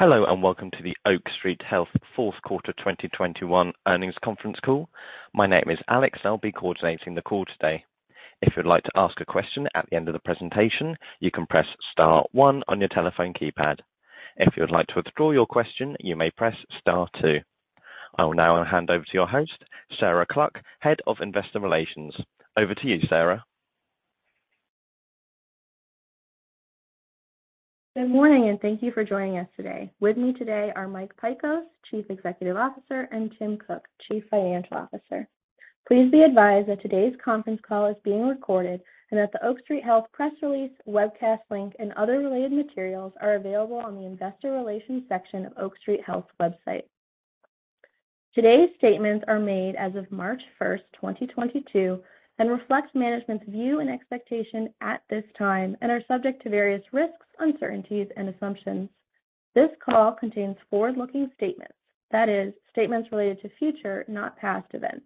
Hello, and welcome to the Oak Street Health fourth quarter 2021 earnings conference call. My name is Alex. I'll be coordinating the call today. If you'd like to ask a question at the end of the presentation, you can press star one on your telephone keypad. If you'd like to withdraw your question, you may press star two. I will now hand over to your host, Sarah Cluck, Head of Investor Relations. Over to you, Sarah. Good morning, and thank you for joining us today. With me today are Mike Pykosz, Chief Executive Officer, and Tim Cook, Chief Financial Officer. Please be advised that today's conference call is being recorded and that the Oak Street Health press release, webcast link, and other related materials are available on the Investor Relations section of Oak Street Health's website. Today's statements are made as of March 1, 2022, and reflect management's view and expectation at this time and are subject to various risks, uncertainties, and assumptions. This call contains forward-looking statements, that is, statements related to future, not past events.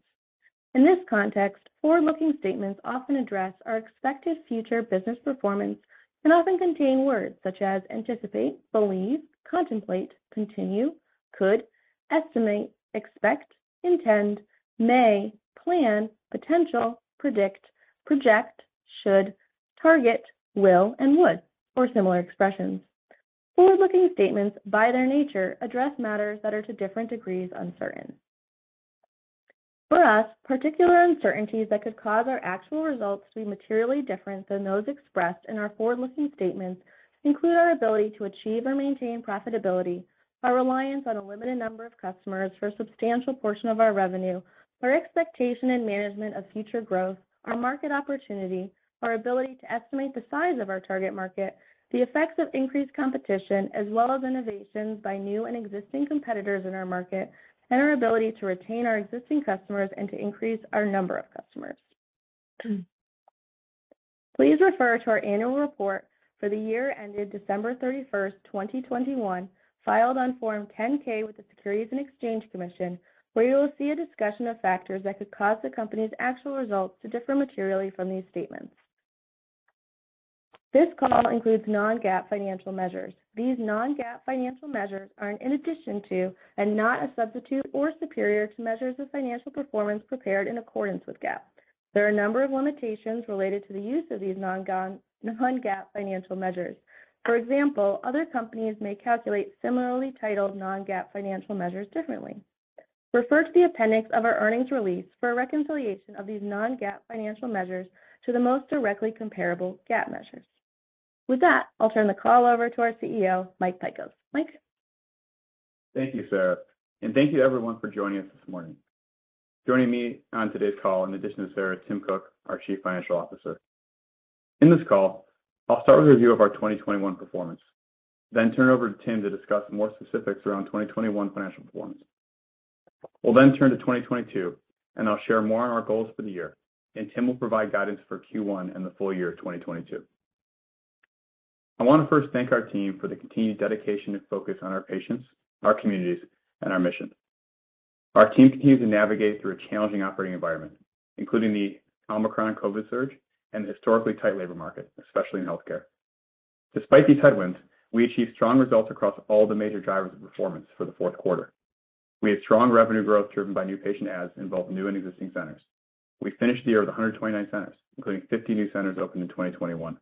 In this context, forward-looking statements often address our expected future business performance and often contain words such as anticipate, believe, contemplate, continue, could, estimate, expect, intend, may, plan, potential, predict, project, should, target, will, and would, or similar expressions. Forward-looking statements, by their nature, address matters that are to different degrees uncertain. For us, particular uncertainties that could cause our actual results to be materially different than those expressed in our forward-looking statements include our ability to achieve or maintain profitability, our reliance on a limited number of customers for a substantial portion of our revenue, our expectation and management of future growth, our market opportunity, our ability to estimate the size of our target market, the effects of increased competition, as well as innovations by new and existing competitors in our market, and our ability to retain our existing customers and to increase our number of customers. Please refer to our annual report for the year ended December 31, 2021, filed on Form 10-K with the Securities and Exchange Commission, where you will see a discussion of factors that could cause the company's actual results to differ materially from these statements. This call includes non-GAAP financial measures. These non-GAAP financial measures are in addition to and not a substitute or superior to measures of financial performance prepared in accordance with GAAP. There are a number of limitations related to the use of these non-GAAP financial measures. For example, other companies may calculate similarly titled non-GAAP financial measures differently. Refer to the appendix of our earnings release for a reconciliation of these non-GAAP financial measures to the most directly comparable GAAP measures. With that, I'll turn the call over to our CEO, Mike Pykosz. Mike? Thank you, Sarah, and thank you everyone for joining us this morning. Joining me on today's call, in addition to Sarah, is Tim Cook, our Chief Financial Officer. In this call, I'll start with a review of our 2021 performance, then turn it over to Tim to discuss more specifics around 2021 financial performance. We'll then turn to 2022, and I'll share more on our goals for the year, and Tim will provide guidance for Q1 and the full year of 2022. I wanna first thank our team for the continued dedication and focus on our patients, our communities, and our mission. Our team continues to navigate through a challenging operating environment, including the Omicron COVID surge and the historically tight labor market, especially in healthcare. Despite these headwinds, we achieved strong results across all the major drivers of performance for the fourth quarter. We had strong revenue growth driven by new patient adds in both new and existing centers. We finished the year with 129 centers, including 50 new centers opened in 2021.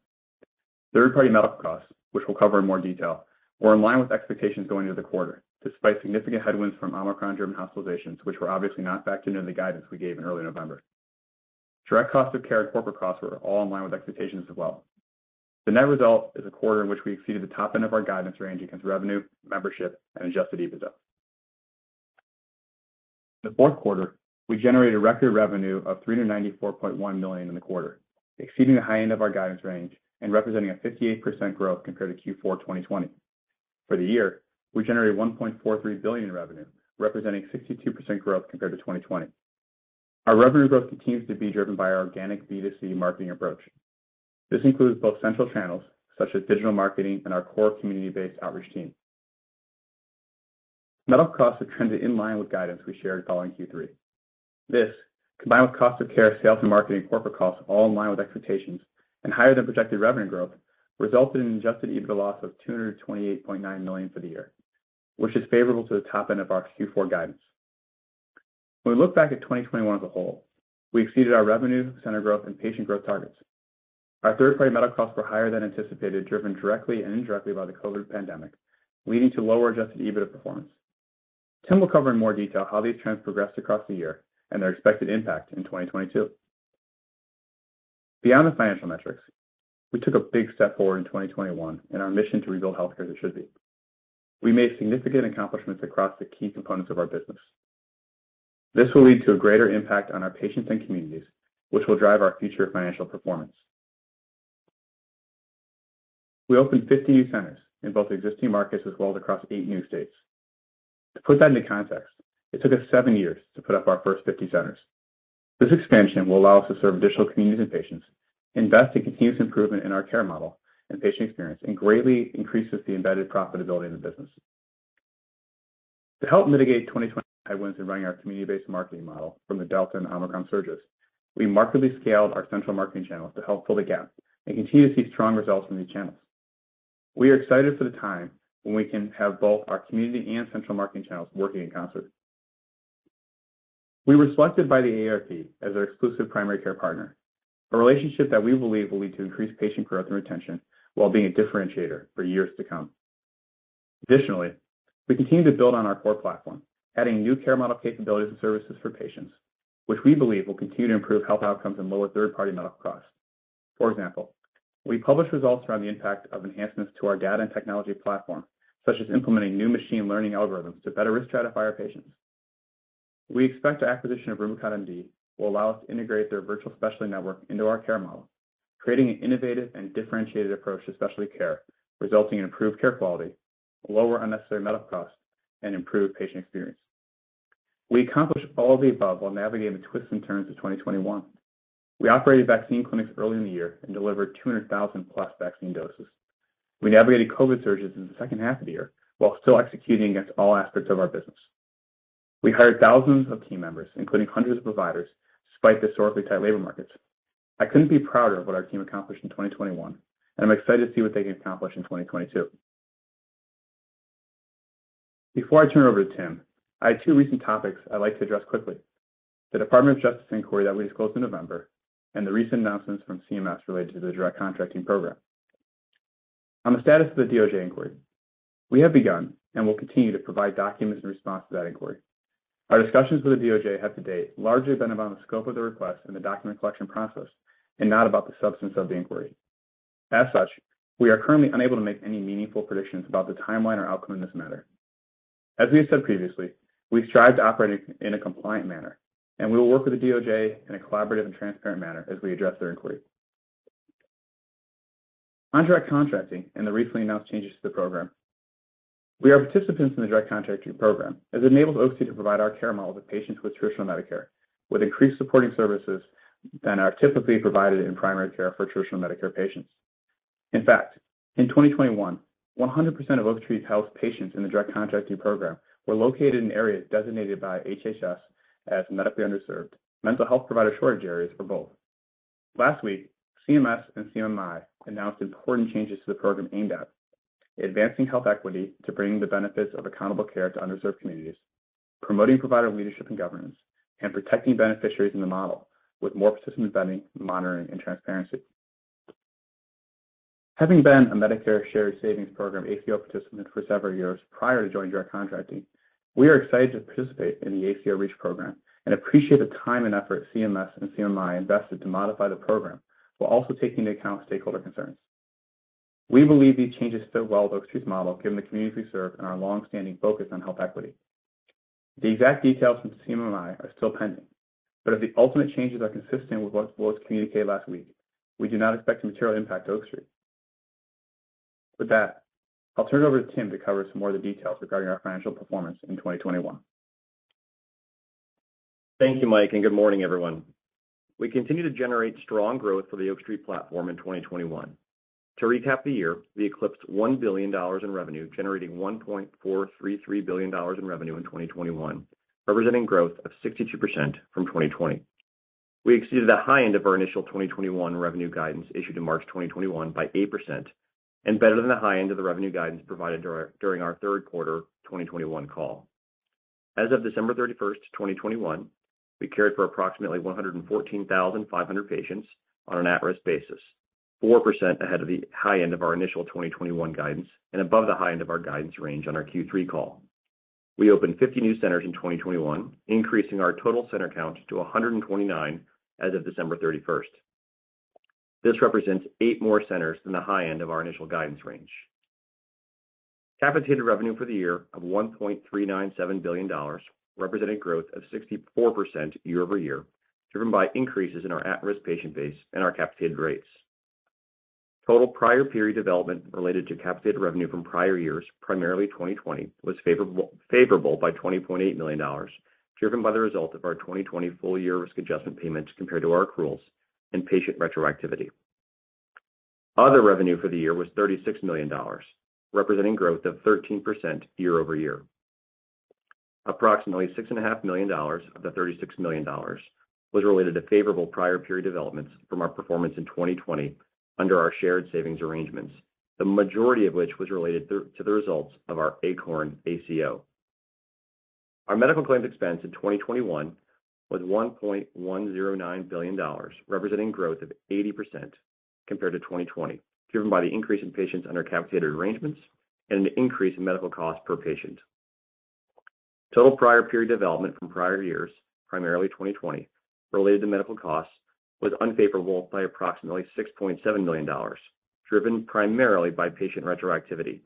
Third-party medical costs, which we'll cover in more detail, were in line with expectations going into the quarter despite significant headwinds from Omicron-driven hospitalizations, which were obviously not factored into the guidance we gave in early November. Direct cost of care and corporate costs were all in line with expectations as well. The net result is a quarter in which we exceeded the top end of our guidance range against revenue, membership, and Adjusted EBITDA. In the fourth quarter, we generated record revenue of $394.1 million in the quarter, exceeding the high end of our guidance range and representing 58% growth compared to Q4 2020. For the year, we generated $1.43 billion in revenue, representing 62% growth compared to 2020. Our revenue growth continues to be driven by our organic B2C marketing approach. This includes both central channels such as digital marketing and our core community-based outreach team. Medical costs have trended in line with guidance we shared following Q3. This, combined with cost of care, sales and marketing, corporate costs all in line with expectations and higher than projected revenue growth, resulted in an adjusted EBITDA loss of $228.9 million for the year, which is favorable to the top end of our Q4 guidance. When we look back at 2021 as a whole, we exceeded our revenue, center growth, and patient growth targets. Our third-party medical costs were higher than anticipated, driven directly and indirectly by the COVID pandemic, leading to lower adjusted EBITDA performance. Tim will cover in more detail how these trends progressed across the year and their expected impact in 2022. Beyond the financial metrics, we took a big step forward in 2021 in our mission to rebuild healthcare as it should be. We made significant accomplishments across the key components of our business. This will lead to a greater impact on our patients and communities, which will drive our future financial performance. We opened 50 new centers in both existing markets as well as across eight new states. To put that into context, it took us seven years to put up our first 50 centers. This expansion will allow us to serve additional communities and patients, invest in continuous improvement in our care model and patient experience, and greatly increases the embedded profitability of the business. To help mitigate 2020 headwinds in running our community-based marketing model from the Delta and Omicron surges, we markedly scaled our central marketing channels to help fill the gap and continue to see strong results from these channels. We are excited for the time when we can have both our community and central marketing channels working in concert. We were selected by the AARP as their exclusive primary care partner, a relationship that we believe will lead to increased patient growth and retention while being a differentiator for years to come. Additionally, we continue to build on our core platform, adding new care model capabilities and services for patients, which we believe will continue to improve health outcomes and lower third-party medical costs. For example, we published results around the impact of enhancements to our data and technology platform, such as implementing new machine learning algorithms to better risk stratify our patients. We expect the acquisition of RubiconMD will allow us to integrate their virtual specialty network into our care model, creating an innovative and differentiated approach to specialty care, resulting in improved care quality, lower unnecessary medical costs, and improved patient experience. We accomplished all of the above while navigating the twists and turns of 2021. We operated vaccine clinics early in the year and delivered 200,000+ vaccine doses. We navigated COVID surges in the second half of the year while still executing against all aspects of our business. We hired thousands of team members, including hundreds of providers, despite historically tight labor markets. I couldn't be prouder of what our team accomplished in 2021, and I'm excited to see what they can accomplish in 2022. Before I turn it over to Tim, I have two recent topics I'd like to address quickly, the Department of Justice inquiry that we disclosed in November and the recent announcements from CMS related to the Direct Contracting Program. On the status of the DOJ inquiry, we have begun and will continue to provide documents in response to that inquiry. Our discussions with the DOJ have to date largely been about the scope of the request and the document collection process and not about the substance of the inquiry. As such, we are currently unable to make any meaningful predictions about the timeline or outcome in this matter. As we have said previously, we strive to operate in a compliant manner, and we will work with the DOJ in a collaborative and transparent manner as we address their inquiry. On Direct Contracting and the recently announced changes to the program, we are participants in the Direct Contracting Program, as it enables Oak Street to provide our care model to patients with traditional Medicare with increased supporting services than are typically provided in primary care for traditional Medicare patients. In fact, in 2021, 100% of Oak Street Health patients in the Direct Contracting Program were located in areas designated by HHS as medically underserved, mental health provider shortage areas for both. Last week, CMS and CMMI announced important changes to the program aimed at advancing health equity and bringing the benefits of accountable care to underserved communities, promoting provider leadership and governance, and protecting beneficiaries in the model with more participant vetting, monitoring, and transparency. Having been a Medicare Shared Savings Program ACO participant for several years prior to joining Direct Contracting, we are excited to participate in the ACO REACH program and appreciate the time and effort CMS and CMMI invested to modify the program while also taking into account stakeholder concerns. We believe these changes fit well with Oak Street's model, given the communities we serve and our long-standing focus on health equity. The exact details from CMMI are still pending, but if the ultimate changes are consistent with what was communicated last week, we do not expect a material impact to Oak Street. With that, I'll turn it over to Tim to cover some more of the details regarding our financial performance in 2021. Thank you, Mike, and good morning, everyone. We continue to generate strong growth for the Oak Street platform in 2021. To recap the year, we eclipsed $1 billion in revenue, generating $1.433 billion in revenue in 2021, representing growth of 62% from 2020. We exceeded the high end of our initial 2021 revenue guidance issued in March 2021 by 8% and better than the high end of the revenue guidance provided during our third quarter 2021 call. As of December 31, 2021, we cared for approximately 114,500 patients on an at-risk basis, 4% ahead of the high end of our initial 2021 guidance and above the high end of our guidance range on our Q3 call. We opened 50 new centers in 2021, increasing our total center count to 129 as of December 31st. This represents eight more centers than the high end of our initial guidance range. Capitated revenue for the year of $1.397 billion represented growth of 64% year-over-year, driven by increases in our at-risk patient base and our capitated rates. Total prior period development related to capitated revenue from prior years, primarily 2020, was favorable by $20.8 million, driven by the result of our 2020 full year risk adjustment payments compared to our accruals and patient retroactivity. Other revenue for the year was $36 million, representing growth of 13% year-over-year. Approximately $6.5 million of the $36 million was related to favorable prior period developments from our performance in 2020 under our shared savings arrangements, the majority of which was related to the results of our ACORN ACO. Our medical claims expense in 2021 was $1.109 billion, representing growth of 80% compared to 2020, driven by the increase in patients under capitated arrangements and an increase in medical costs per patient. Total prior period development from prior years, primarily 2020, related to medical costs was unfavorable by approximately $6.7 million, driven primarily by patient retroactivity.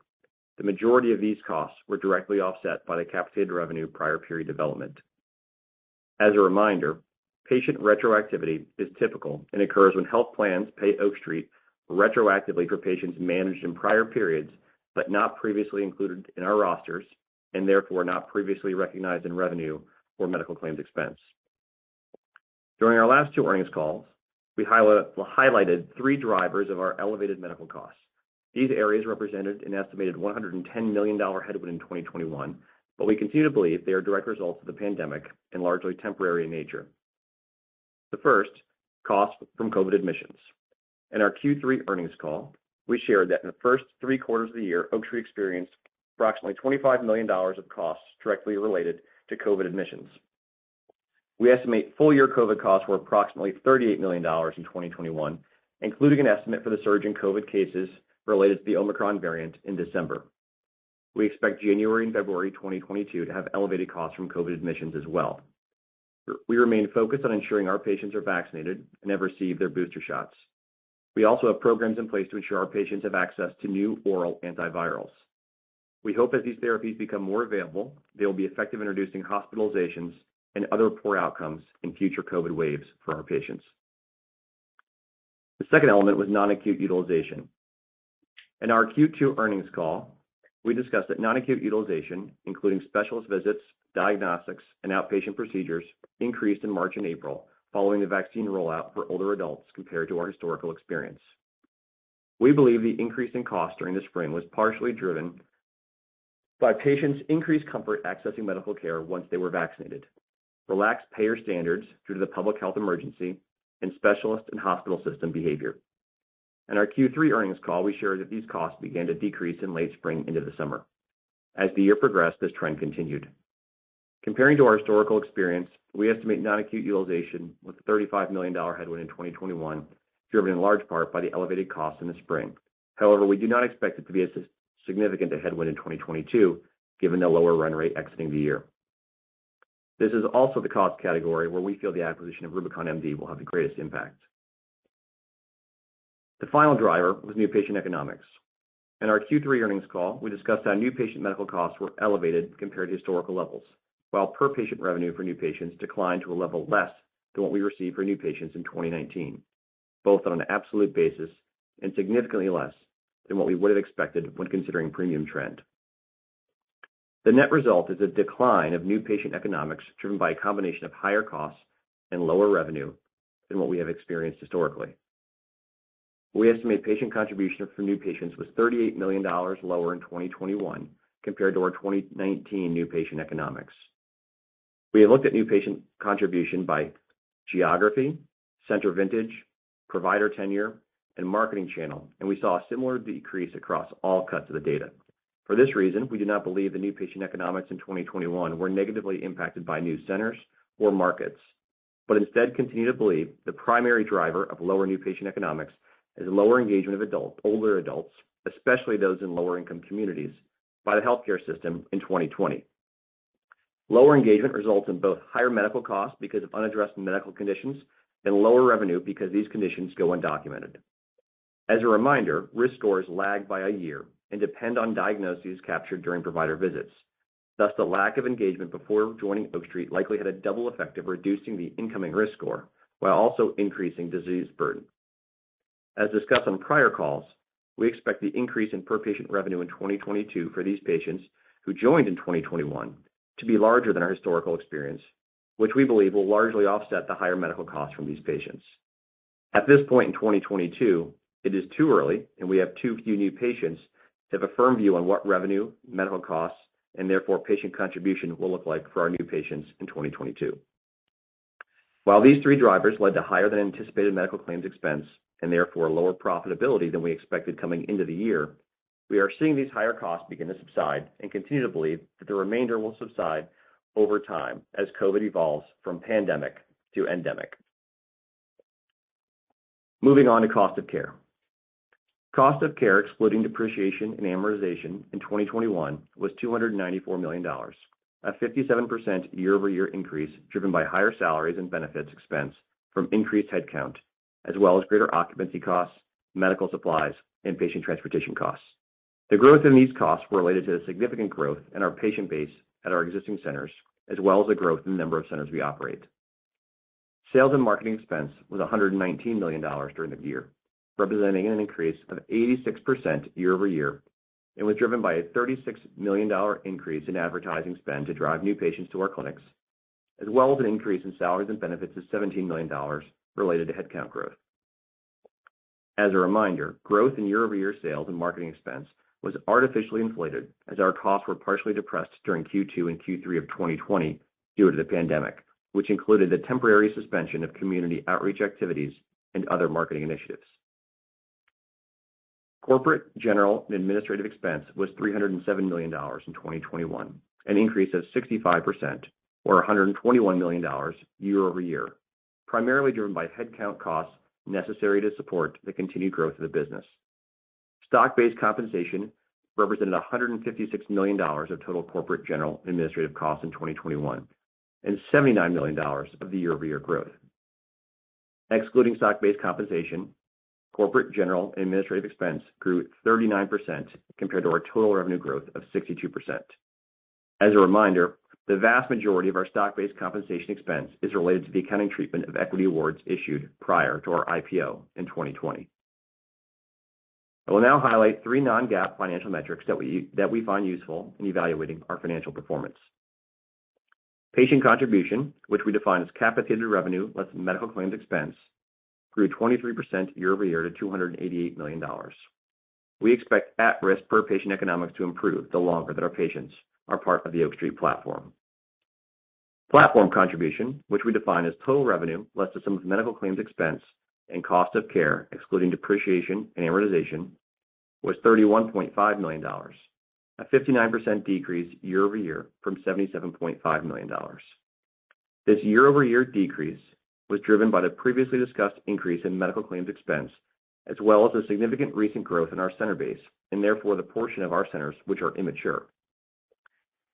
The majority of these costs were directly offset by the capitated revenue prior period development. As a reminder, patient retroactivity is typical and occurs when health plans pay Oak Street retroactively for patients managed in prior periods but not previously included in our rosters and therefore not previously recognized in revenue or medical claims expense. During our last two earnings calls, we highlighted three drivers of our elevated medical costs. These areas represented an estimated $110 million headwind in 2021, but we continue to believe they are direct results of the pandemic and largely temporary in nature. The first, costs from COVID admissions. In our Q3 earnings call, we shared that in the first three quarters of the year, Oak Street experienced approximately $25 million of costs directly related to COVID admissions. We estimate full year COVID costs were approximately $38 million in 2021, including an estimate for the surge in COVID cases related to the Omicron variant in December. We expect January and February 2022 to have elevated costs from COVID admissions as well. We remain focused on ensuring our patients are vaccinated and have received their booster shots. We also have programs in place to ensure our patients have access to new oral antivirals. We hope as these therapies become more available, they will be effective in reducing hospitalizations and other poor outcomes in future COVID waves for our patients. The second element was non-acute utilization. In our Q2 earnings call, we discussed that non-acute utilization, including specialist visits, diagnostics, and outpatient procedures, increased in March and April following the vaccine rollout for older adults compared to our historical experience. We believe the increase in cost during the spring was partially driven by patients' increased comfort accessing medical care once they were vaccinated, relaxed payer standards due to the public health emergency, and specialist and hospital system behavior. In our Q3 earnings call, we shared that these costs began to decrease in late spring into the summer. As the year progressed, this trend continued. Comparing to our historical experience, we estimate non-acute utilization with a $35 million headwind in 2021, driven in large part by the elevated costs in the spring. However, we do not expect it to be as significant a headwind in 2022, given the lower run rate exiting the year. This is also the cost category where we feel the acquisition of RubiconMD will have the greatest impact. The final driver was new patient economics. In our Q3 earnings call, we discussed how new patient medical costs were elevated compared to historical levels, while per patient revenue for new patients declined to a level less than what we received for new patients in 2019, both on an absolute basis and significantly less than what we would have expected when considering premium trend. The net result is a decline of new patient economics driven by a combination of higher costs and lower revenue than what we have experienced historically. We estimate patient contribution for new patients was $38 million lower in 2021 compared to our 2019 new patient economics. We have looked at new patient contribution by geography, center vintage, provider tenure, and marketing channel, and we saw a similar decrease across all cuts of the data. For this reason, we do not believe the new patient economics in 2021 were negatively impacted by new centers or markets, but instead continue to believe the primary driver of lower new patient economics is lower engagement of adult, older adults, especially those in lower-income communities, by the healthcare system in 2020. Lower engagement results in both higher medical costs because of unaddressed medical conditions and lower revenue because these conditions go undocumented. As a reminder, risk scores lag by a year and depend on diagnoses captured during provider visits. Thus, the lack of engagement before joining Oak Street likely had a double effect of reducing the incoming risk score while also increasing disease burden. As discussed on prior calls, we expect the increase in per patient revenue in 2022 for these patients who joined in 2021 to be larger than our historical experience, which we believe will largely offset the higher medical costs from these patients. At this point in 2022, it is too early, and we have too few new patients to have a firm view on what revenue, medical costs, and therefore patient contribution will look like for our new patients in 2022. While these three drivers led to higher than anticipated medical claims expense and therefore lower profitability than we expected coming into the year, we are seeing these higher costs begin to subside and continue to believe that the remainder will subside over time as COVID evolves from pandemic to endemic. Moving on to cost of care. Cost of care excluding depreciation and amortization in 2021 was $294 million, a 57% year-over-year increase driven by higher salaries and benefits expense from increased headcount as well as greater occupancy costs, medical supplies and patient transportation costs. The growth in these costs were related to the significant growth in our patient base at our existing centers, as well as the growth in the number of centers we operate. Sales and marketing expense was $119 million during the year, representing an increase of 86% year-over-year, and was driven by a $36 million increase in advertising spend to drive new patients to our clinics, as well as an increase in salaries and benefits of $17 million related to headcount growth. As a reminder, growth in year-over-year sales and marketing expense was artificially inflated as our costs were partially depressed during Q2 and Q3 of 2020 due to the pandemic, which included the temporary suspension of community outreach activities and other marketing initiatives. Corporate, general, and administrative expense was $307 million in 2021, an increase of 65% or $121 million year-over-year, primarily driven by headcount costs necessary to support the continued growth of the business. Stock-based compensation represented $156 million of total corporate, general, and administrative costs in 2021, and $79 million of the year-over-year growth. Excluding stock-based compensation, corporate, general, and administrative expense grew 39% compared to our total revenue growth of 62%. As a reminder, the vast majority of our stock-based compensation expense is related to the accounting treatment of equity awards issued prior to our IPO in 2020. I will now highlight three non-GAAP financial metrics that we find useful in evaluating our financial performance. Patient contribution, which we define as capitated revenue less medical claims expense, grew 23% year-over-year to $288 million. We expect at-risk per patient economics to improve the longer that our patients are part of the Oak Street platform. Platform contribution, which we define as total revenue less the sum of medical claims expense and cost of care, excluding depreciation and amortization, was $31.5 million, a 59% decrease year-over-year from $77.5 million. This year-over-year decrease was driven by the previously discussed increase in medical claims expense, as well as a significant recent growth in our center base, and therefore the portion of our centers which are immature.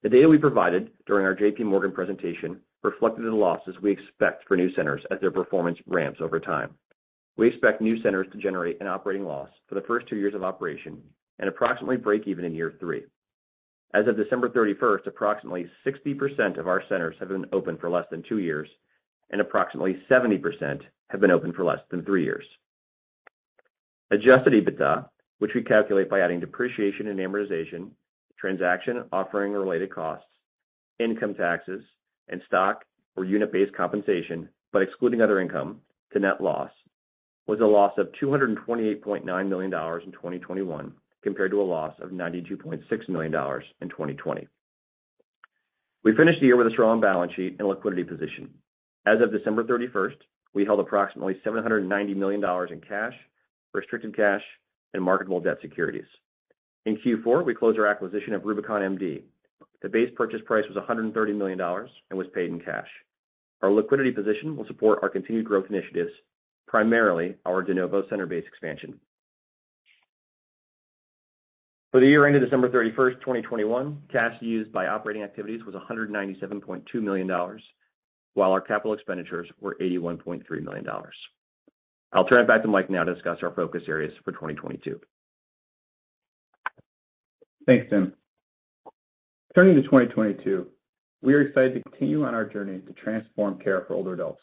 The data we provided during our JPMorgan presentation reflected the losses we expect for new centers as their performance ramps over time. We expect new centers to generate an operating loss for the first two years of operation and approximately break even in year three. As of December 31st, approximately 60% of our centers have been open for less than two years, and approximately 70% have been open for less than three years. Adjusted EBITDA, which we calculate by adding depreciation and amortization, transaction, offering-related costs, income taxes, and stock or unit-based compensation, but excluding other income from net loss, was a loss of $228.9 million in 2021, compared to a loss of $92.6 million in 2020. We finished the year with a strong balance sheet and liquidity position. As of December 31, we held approximately $790 million in cash, restricted cash, and marketable debt securities. In Q4, we closed our acquisition of RubiconMD. The base purchase price was $130 million and was paid in cash. Our liquidity position will support our continued growth initiatives, primarily our de novo center-based expansion. For the year ended December 31, 2021, cash used by operating activities was $197.2 million, while our capital expenditures were $81.3 million. I'll turn it back to Mike now to discuss our focus areas for 2022. Thanks, Tim. Turning to 2022, we are excited to continue on our journey to transform care for older adults.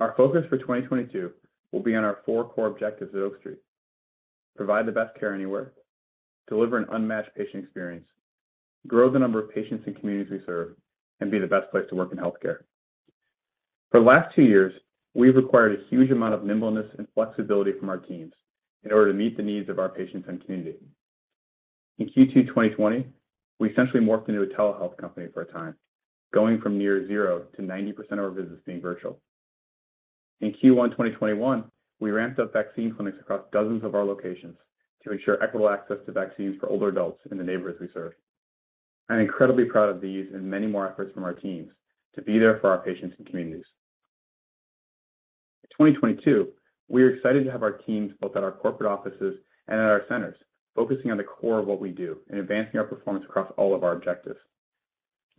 Our focus for 2022 will be on our four core objectives at Oak Street, provide the best care anywhere, deliver an unmatched patient experience, grow the number of patients and communities we serve, and be the best place to work in healthcare. For the last two years, we've required a huge amount of nimbleness and flexibility from our teams in order to meet the needs of our patients and community. In Q2 2020, we essentially morphed into a telehealth company for a time, going from near zero to 90% of our visits being virtual. In Q1 2021, we ramped up vaccine clinics across dozens of our locations to ensure equitable access to vaccines for older adults in the neighborhoods we serve. I'm incredibly proud of these and many more efforts from our teams to be there for our patients and communities. In 2022, we're excited to have our teams, both at our corporate offices and at our centers, focusing on the core of what we do and advancing our performance across all of our objectives.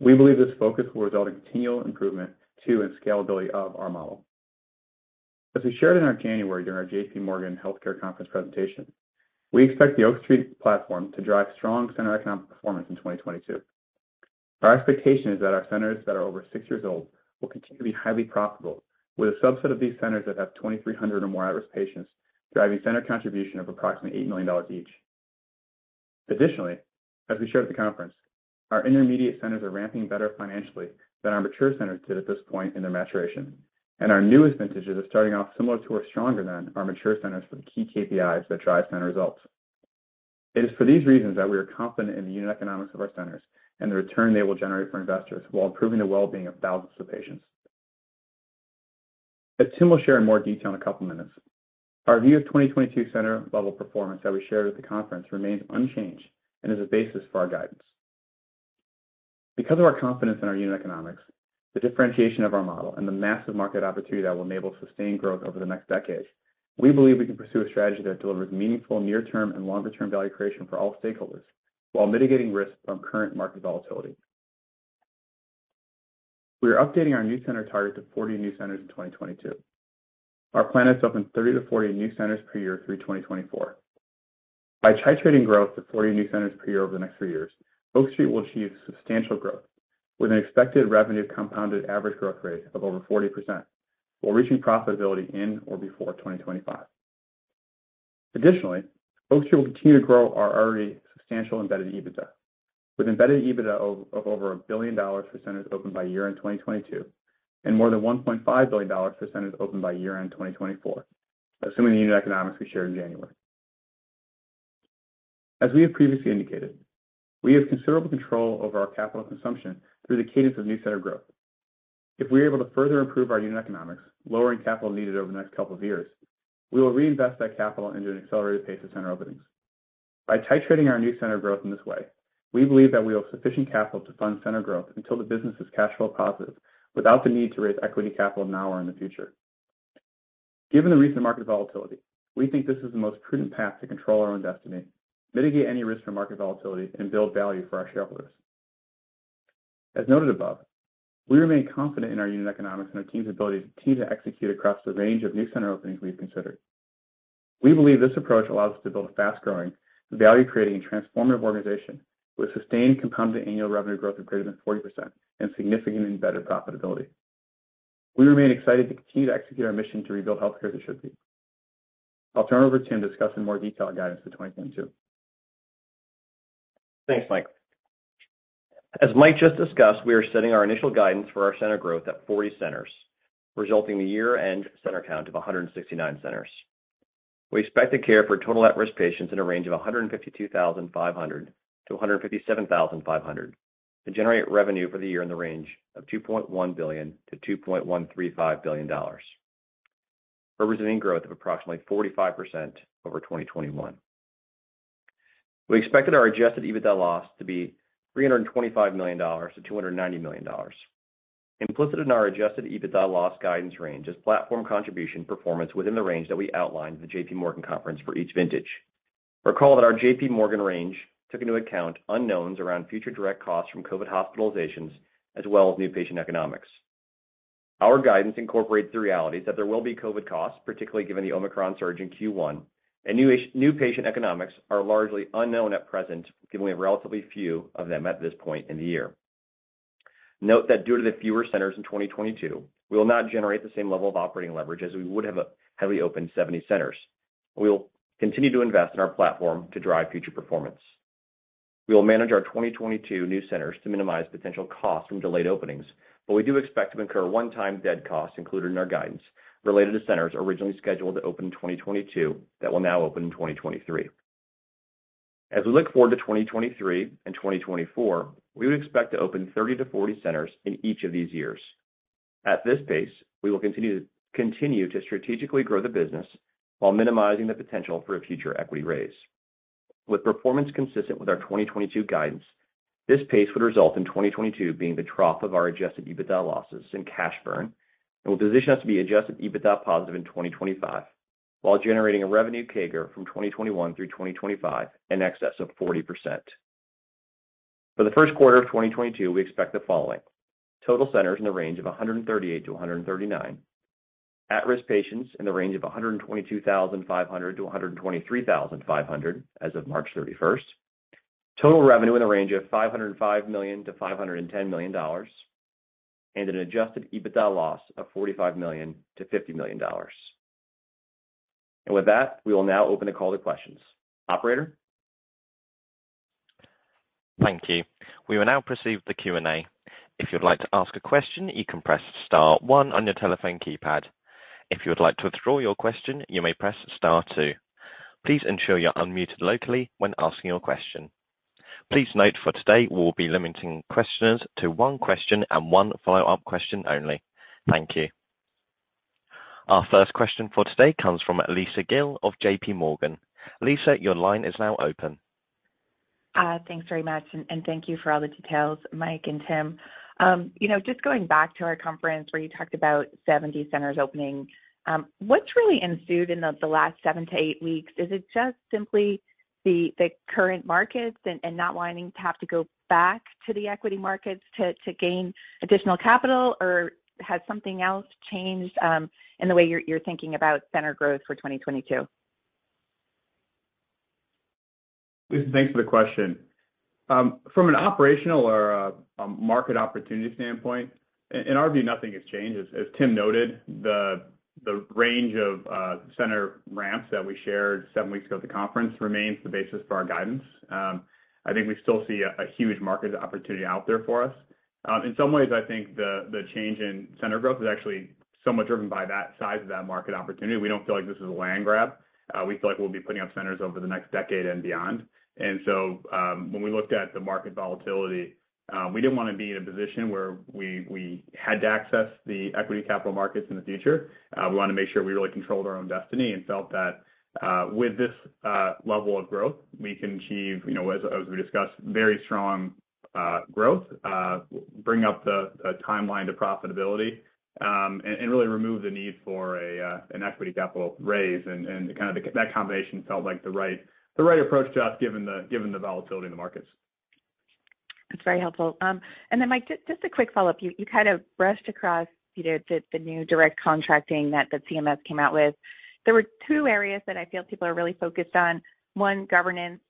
We believe this focus will result in continual improvement to and scalability of our model. As we shared in our January during our JPMorgan Healthcare Conference presentation, we expect the Oak Street platform to drive strong center economic performance in 2022. Our expectation is that our centers that are over six years old will continue to be highly profitable with a subset of these centers that have 2,300 or more at-risk patients driving center contribution of approximately $8 million each. Additionally, as we showed at the conference, our intermediate centers are ramping better financially than our mature centers did at this point in their maturation. Our newest vintages are starting off similar to or stronger than our mature centers for the key KPIs that drive center results. It is for these reasons that we are confident in the unit economics of our centers and the return they will generate for investors while improving the well-being of thousands of patients. As Tim will share in more detail in a couple minutes, our view of 2022 center level performance that we shared at the conference remains unchanged and is a basis for our guidance. Because of our confidence in our unit economics, the differentiation of our model and the massive market opportunity that will enable sustained growth over the next decade, we believe we can pursue a strategy that delivers meaningful near term and longer term value creation for all stakeholders while mitigating risk from current market volatility. We are updating our new center target to 40 new centers in 2022. Our plan is to open 30-40 new centers per year through 2024. By titrating growth to 40 new centers per year over the next three years, Oak Street will achieve substantial growth with an expected revenue compound average growth rate of over 40% while reaching profitability in or before 2025. Additionally, Oak Street will continue to grow our already substantial embedded EBITDA with embedded EBITDA of over $1 billion for centers opened by year-end 2022, and more than $1.5 billion for centers opened by year-end 2024, assuming the unit economics we shared in January. We have previously indicated, we have considerable control over our capital consumption through the cadence of new center growth. If we are able to further improve our unit economics, lowering capital needed over the next couple of years, we will reinvest that capital into an accelerated pace of center openings. By titrating our new center growth in this way, we believe that we have sufficient capital to fund center growth until the business is cash flow positive without the need to raise equity capital now or in the future. Given the recent market volatility, we think this is the most prudent path to control our own destiny, mitigate any risk from market volatility, and build value for our shareholders. As noted above, we remain confident in our unit economics and our team's ability to continue to execute across the range of new center openings we've considered. We believe this approach allows us to build a fast-growing, value-creating, and transformative organization with sustained compounded annual revenue growth of greater than 40% and significantly better profitability. We remain excited to continue to execute our mission to rebuild healthcare as it should be. I'll turn over to Tim to discuss in more detail our guidance for 2022. Thanks, Mike. As Mike just discussed, we are setting our initial guidance for our center growth at 40 centers, resulting in a year-end center count of 169 centers. We expect to care for total at-risk patients in a range of 152,500-157,500, to generate revenue for the year in the range of $2.1 billion-$2.135 billion, representing growth of approximately 45% over 2021. We expected our Adjusted EBITDA loss to be $325 million-$290 million. Implicit in our Adjusted EBITDA loss guidance range is platform contribution performance within the range that we outlined at the JPMorgan conference for each vintage. Recall that our JPMorgan range took into account unknowns around future direct costs from COVID hospitalizations as well as new patient economics. Our guidance incorporates the realities that there will be COVID costs, particularly given the Omicron surge in Q1, and new patient economics are largely unknown at present, given we have relatively few of them at this point in the year. Note that due to the fewer centers in 2022, we will not generate the same level of operating leverage as we would have at having opened 70 centers. We will continue to invest in our platform to drive future performance. We will manage our 2022 new centers to minimize potential costs from delayed openings, but we do expect to incur one-time head costs included in our guidance related to centers originally scheduled to open in 2022 that will now open in 2023. As we look forward to 2023 and 2024, we would expect to open 30-40 centers in each of these years. At this pace, we will continue to strategically grow the business while minimizing the potential for a future equity raise. With performance consistent with our 2022 guidance, this pace would result in 2022 being the trough of our Adjusted EBITDA losses and cash burn, and will position us to be Adjusted EBITDA positive in 2025, while generating a revenue CAGR from 2021 through 2025 in excess of 40%. For the first quarter of 2022, we expect the following: total centers in the range of 138-139, at-risk patients in the range of 122,500-123,500 as of March 31, total revenue in the range of $505 million-$510 million, and an Adjusted EBITDA loss of $45 million-$50 million. With that, we will now open the call to questions. Operator? Thank you. We will now proceed with the Q&A. If you'd like to ask a question, you can press star one on your telephone keypad. If you would like to withdraw your question, you may press star two. Please ensure you're unmuted locally when asking your question. Please note for today, we'll be limiting questioners to one question and one follow-up question only. Thank you. Our first question for today comes from Lisa Gill of JPMorgan. Lisa, your line is now open. Thanks very much, and thank you for all the details, Mike and Tim. You know, just going back to our conference where you talked about 70 centers opening, what's really ensued in the last 7-8 weeks? Is it just simply the current markets and not wanting to have to go back to the equity markets to gain additional capital? Or has something else changed in the way you're thinking about center growth for 2022? Lisa, thanks for the question. From an operational or a market opportunity standpoint, in our view, nothing has changed. As Tim noted, the range of center ramps that we shared seven weeks ago at the conference remains the basis for our guidance. I think we still see a huge market opportunity out there for us. In some ways, I think the change in center growth is actually somewhat driven by that size of that market opportunity. We don't feel like this is a land grab. We feel like we'll be putting up centers over the next decade and beyond. When we looked at the market volatility, we didn't wanna be in a position where we had to access the equity capital markets in the future. We wanted to make sure we really controlled our own destiny and felt that, with this level of growth, we can achieve, you know, as we discussed, very strong growth, bring up the timeline to profitability, and really remove the need for an equity capital raise. Kind of that combination felt like the right approach to us given the volatility in the markets. That's very helpful. Then Mike, just a quick follow-up. You kind of brushed across the new Direct Contracting that the CMS came out with. There were two areas that I feel people are really focused on. One, governance.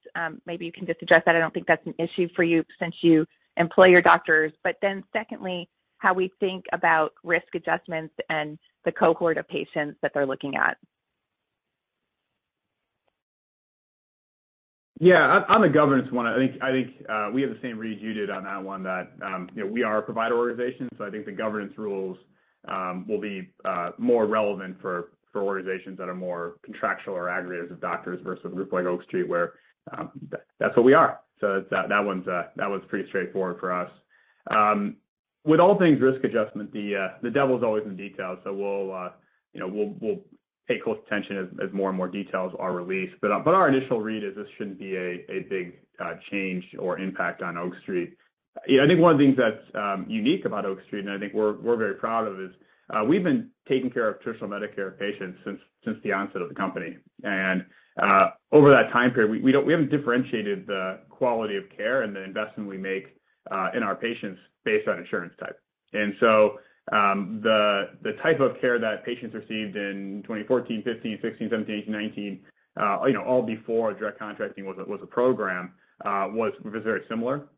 Maybe you can just address that. I don't think that's an issue for you since you employ your doctors. Second, how we think about risk adjustments and the cohort of patients that they're looking at. Yeah. On the governance one, I think we have the same read as you did on that one, that you know, we are a provider organization, so I think the governance rules will be more relevant for organizations that are more contractual or aggregators of doctors versus a group like Oak Street where that's what we are. That one's pretty straightforward for us. With all things risk adjustment, the devil is always in the details, so we'll you know, we'll pay close attention as more and more details are released. Our initial read is this shouldn't be a big change or impact on Oak Street. You know, I think one of the things that's unique about Oak Street, and I think we're very proud of, is we've been taking care of traditional Medicare patients since the onset of the company. Over that time period, we haven't differentiated the quality of care and the investment we make in our patients based on insurance type. The type of care that patients received in 2014, 2015, 2016, 2017, 2018, 2019, you know, all before Direct Contracting was a program, was very similar.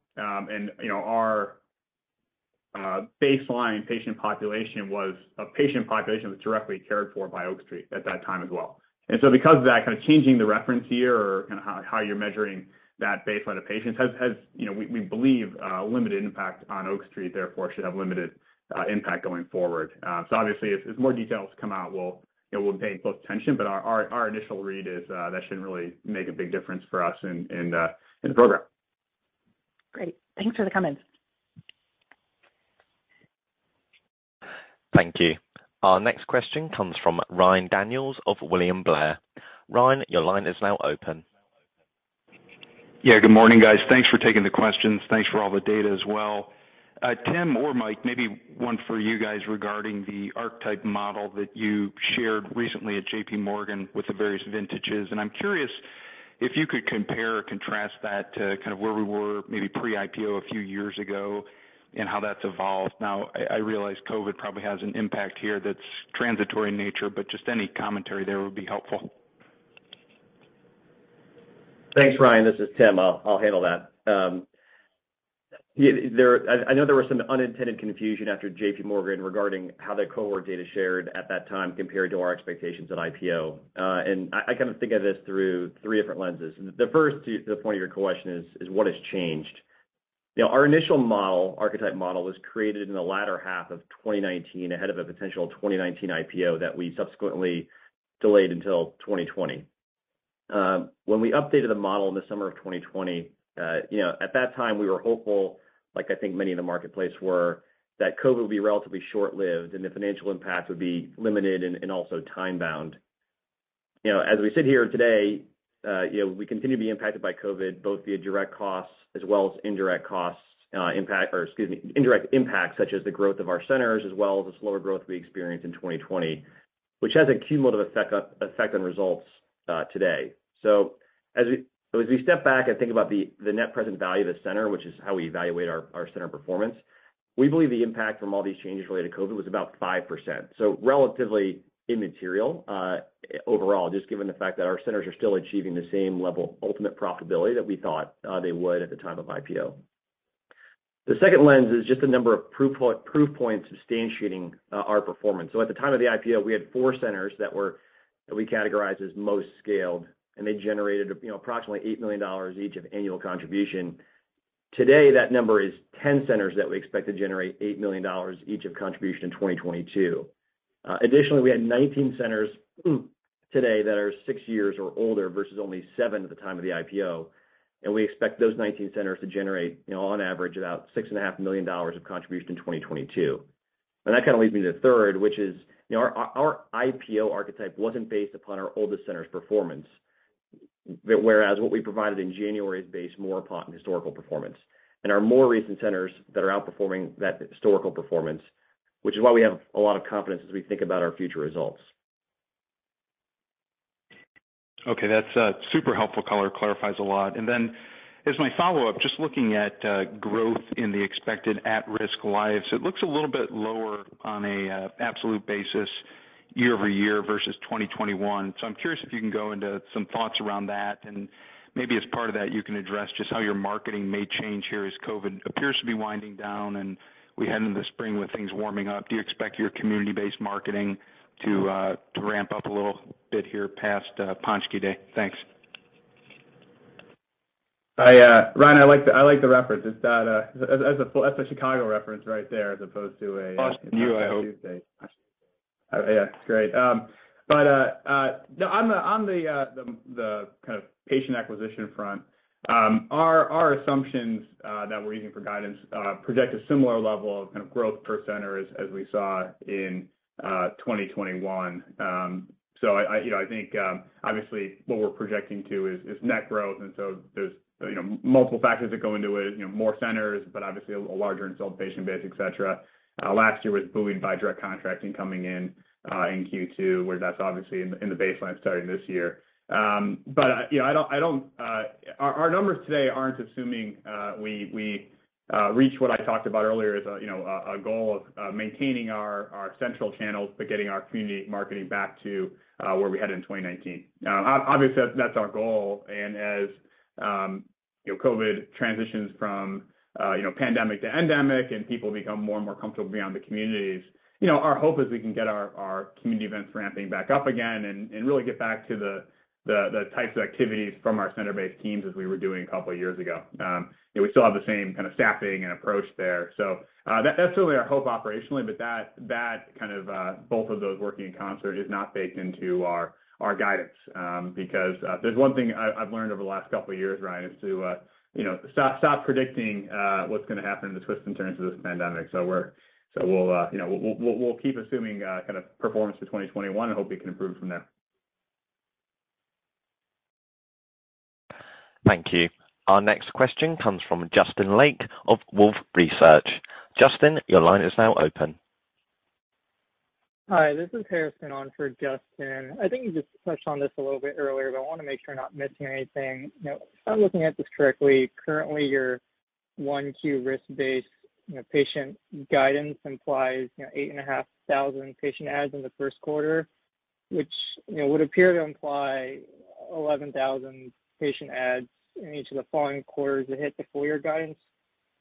Our baseline patient population was a patient population that's directly cared for by Oak Street at that time as well. Because of that kind of changing the reference year or kinda how you're measuring that baseline of patients has, you know, we believe, limited impact on Oak Street, therefore should have limited impact going forward. Obviously, as more details come out, we'll pay close attention. But our initial read is that shouldn't really make a big difference for us in the program. Great. Thanks for the comment. Thank you. Our next question comes from Ryan Daniels of William Blair. Ryan, your line is now open. Yeah, good morning, guys. Thanks for taking the questions. Thanks for all the data as well. Tim or Mike, maybe one for you guys regarding the archetype model that you shared recently at JPMorgan with the various vintages, and I'm curious if you could compare or contrast that to kind of where we were maybe pre-IPO a few years ago and how that's evolved. Now, I realize COVID probably has an impact here that's transitory in nature, but just any commentary there would be helpful. Thanks, Ryan. This is Tim. I'll handle that. I know there was some unintended confusion after JPMorgan regarding how the cohort data shared at that time compared to our expectations at IPO. I kind of think of this through three different lenses. The first, to the point of your question, is what has changed? You know, our initial model, archetype model, was created in the latter half of 2019 ahead of a potential 2019 IPO that we subsequently delayed until 2020. When we updated the model in the summer of 2020, you know, at that time, we were hopeful, like I think many in the marketplace were, that COVID would be relatively short-lived and the financial impact would be limited and also time-bound. You know, as we sit here today, you know, we continue to be impacted by COVID, both via direct costs as well as indirect costs, or excuse me, indirect impacts such as the growth of our centers as well as the slower growth we experienced in 2020, which has a cumulative effect on results today. As we step back and think about the net present value of the center, which is how we evaluate our center performance, we believe the impact from all these changes related to COVID was about 5%. Relatively immaterial overall, just given the fact that our centers are still achieving the same level of ultimate profitability that we thought they would at the time of IPO. The second lens is just the number of proof points substantiating our performance. At the time of the IPO, we had four centers that we categorized as most scaled, and they generated, you know, approximately $8 million each of annual contribution. Today, that number is 10 centers that we expect to generate $8 million each of contribution in 2022. Additionally, we had 19 centers today that are six years or older versus only seven at the time of the IPO, and we expect those 19 centers to generate, you know, on average, about $6.5 million of contribution in 2022. That kind of leads me to the third, which is, you know, our IPO archetype wasn't based upon our oldest centers performance, whereas what we provided in January is based more upon historical performance and our more recent centers that are outperforming that historical performance, which is why we have a lot of confidence as we think about our future results. Okay. That's super helpful color. Clarifies a lot. As my follow-up, just looking at growth in the expected at-risk lives, it looks a little bit lower on a absolute basis year-over-year versus 2021. I'm curious if you can go into some thoughts around that. Maybe as part of that, you can address just how your marketing may change here as COVID appears to be winding down and we head into the spring with things warming up. Do you expect your community-based marketing to ramp up a little bit here past Paczki Day? Thanks. Ryan, I like the reference. That's a Chicago reference right there as opposed to a Pączki Day, I hope. Yeah. It's great. No, on the kind of patient acquisition front, our assumptions that we're using for guidance project a similar level of kind of growth per center as we saw in 2021. You know, I think obviously what we're projecting to is net growth, and there's you know, multiple factors that go into it, you know, more centers, but obviously a larger installed patient base, et cetera. Last year was buoyed by direct contracting coming in in Q2, where that's obviously in the baseline starting this year. You know, our numbers today aren't assuming we reach what I talked about earlier as, you know, a goal of maintaining our central channels, but getting our community marketing back to where we had it in 2019. Now, obviously, that's our goal. As you know, COVID transitions from pandemic to endemic and people become more and more comfortable beyond the communities, you know, our hope is we can get our community events ramping back up again and really get back to the types of activities from our center-based teams as we were doing a couple of years ago. You know, we still have the same kind of staffing and approach there. That's certainly our hope operationally, but that kind of both of those working in concert is not baked into our guidance, because if there's one thing I've learned over the last couple of years, Ryan, it's to you know stop predicting what's gonna happen in the twists and turns of this pandemic. We'll you know keep assuming kind of performance to 2021 and hope we can improve from there. Thank you. Our next question comes from Justin Lake of Wolfe Research. Justin, your line is now open. Hi, this is Harrison on for Justin Lake. I think you just touched on this a little bit earlier, but I wanna make sure I'm not missing anything. You know, if I'm looking at this correctly, currently your Q1 risk-based, you know, patient guidance implies, you know, 8,500 patient adds in the first quarter, which, you know, would appear to imply 11,000 patient adds in each of the following quarters to hit the full-year guidance.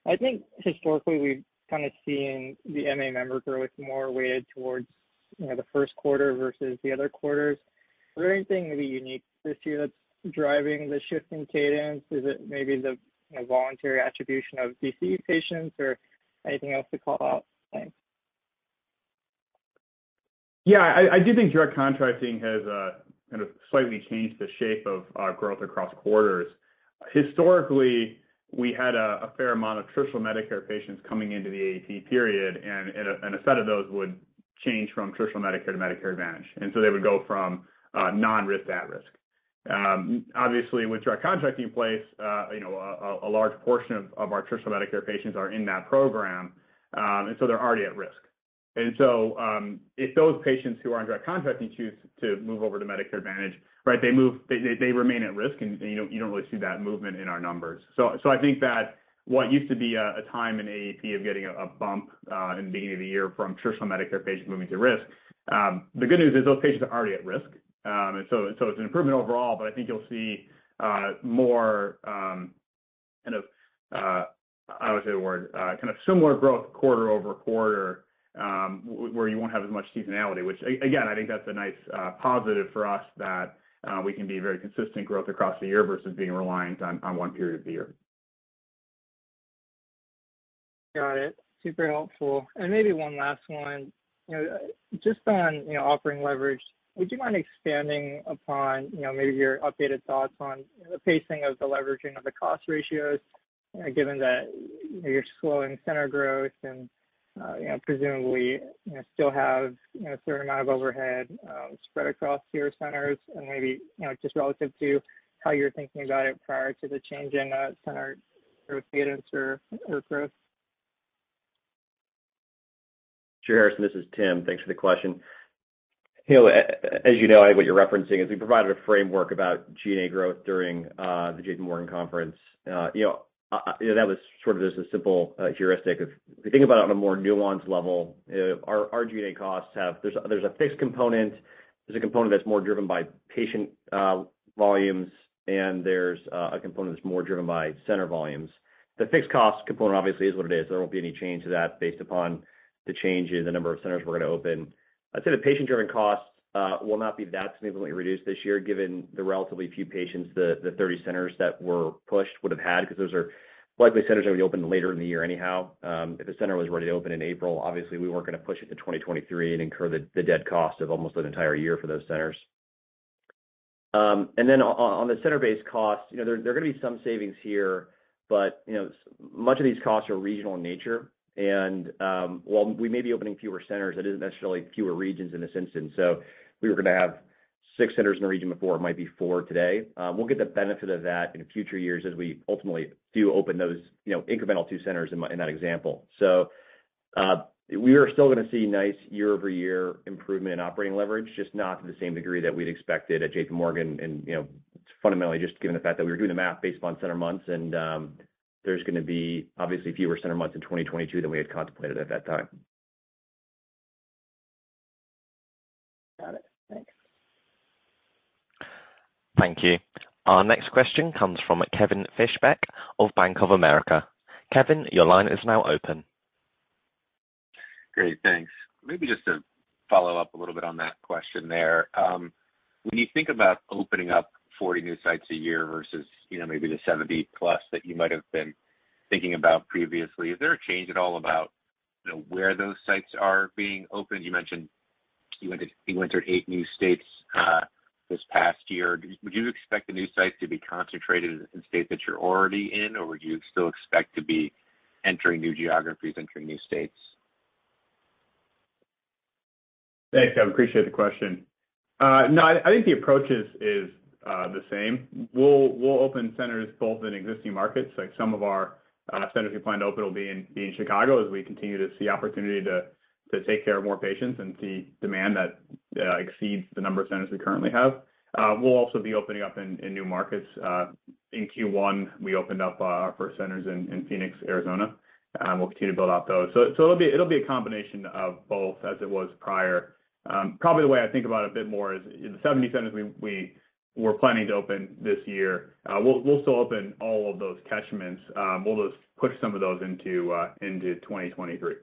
I think historically we've kind of seen the MA member growth more weighted towards, you know, the first quarter versus the other quarters. Is there anything maybe unique this year that's driving the shift in cadence? Is it maybe the, you know, voluntary attribution of DC patients or anything else to call out? Thanks. Yeah. I do think direct contracting has kind of slightly changed the shape of growth across quarters. Historically, we had a fair amount of traditional Medicare patients coming into the AEP period and a set of those would change from traditional Medicare to Medicare Advantage. They would go from non-risk to at risk. Obviously with direct contracting in place, you know, a large portion of our traditional Medicare patients are in that program, and so they're already at risk. If those patients who are on direct contracting choose to move over to Medicare Advantage, right, they remain at risk and you don't really see that movement in our numbers. I think that what used to be a time in AEP of getting a bump in the beginning of the year from traditional Medicare patients moving to risk. The good news is those patients are already at risk. It's an improvement overall, but I think you'll see more kind of, I would say the word kind of similar growth quarter-over-quarter, where you won't have as much seasonality. Which, again, I think that's a nice positive for us that we can be very consistent growth across the year versus being reliant on one period of the year. Got it. Super helpful. Maybe one last one. You know, just on, you know, operating leverage, would you mind expanding upon, you know, maybe your updated thoughts on the pacing of the leveraging of the cost ratios, given that you're slowing center growth and, you know, presumably, you know, still have, you know, a certain amount of overhead, spread across your centers and maybe, you know, just relative to how you're thinking about it prior to the change in, center growth cadence or growth? Sure, Harrison. This is Tim. Thanks for the question. You know, as you know, what you're referencing is we provided a framework about G&A growth during the JPMorgan conference. You know, that was sort of just a simple heuristic. If you think about it on a more nuanced level, our G&A costs have a fixed component, there's a component that's more driven by patient volumes, and there's a component that's more driven by center volumes. The fixed cost component obviously is what it is. There won't be any change to that based upon the change in the number of centers we're gonna open. I'd say the patient-driven costs will not be that significantly reduced this year given the relatively few patients the 30 centers that were pushed would've had, because those are likely centers that we opened later in the year anyhow. If a center was already open in April, obviously we weren't gonna push it to 2023 and incur the dead cost of almost an entire year for those centers. On the center-based costs, you know, there are gonna be some savings here, but, you know, so much of these costs are regional in nature. While we may be opening fewer centers, that isn't necessarily fewer regions in this instance. We were gonna have six centers in a region before, it might be four today. We'll get the benefit of that in future years as we ultimately do open those, you know, incremental two centers in that example. We are still gonna see nice year-over-year improvement in operating leverage, just not to the same degree that we'd expected at JPMorgan. You know, it's fundamentally just given the fact that we were doing the math based on center months and there's gonna be obviously fewer center months in 2022 than we had contemplated at that time. Got it. Thanks. Thank you. Our next question comes from Kevin Fischbeck of Bank of America. Kevin, your line is now open. Great. Thanks. Maybe just to follow up a little bit on that question there. When you think about opening up 40 new sites a year versus, you know, maybe the 70+ that you might have been thinking about previously, is there a change at all about, you know, where those sites are being opened? You mentioned you went to 8 new states this past year. Would you expect the new sites to be concentrated in states that you're already in or would you still expect to be entering new geographies, entering new states? Thanks, Kevin. Appreciate the question. No, I think the approach is the same. We'll open centers both in existing markets, like some of our centers we plan to open will be in Chicago as we continue to see opportunity to take care of more patients and see demand that exceeds the number of centers we currently have. We'll also be opening up in new markets. In Q1, we opened up our first centers in Phoenix, Arizona. We'll continue to build out those. It'll be a combination of both as it was prior. Probably the way I think about it a bit more is the 70 centers we were planning to open this year, we'll still open all of those catchments. We'll just push some of those into 2023.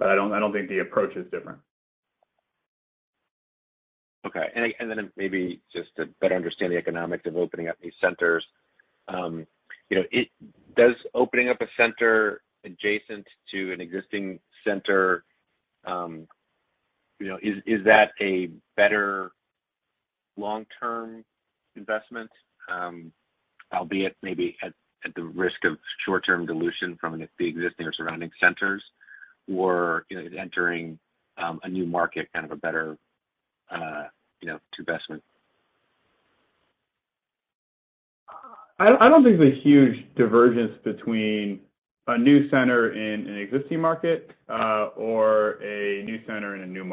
I don't think the approach is different. Okay. Then maybe just to better understand the economics of opening up these centers, you know, does opening up a center adjacent to an existing center, you know, is that a better long-term investment, albeit maybe at the risk of short-term dilution from the existing or surrounding centers? Or, you know, is entering a new market kind of a better, you know, investment? I don't think there's a huge divergence between a new center in an existing market, or a new center in a new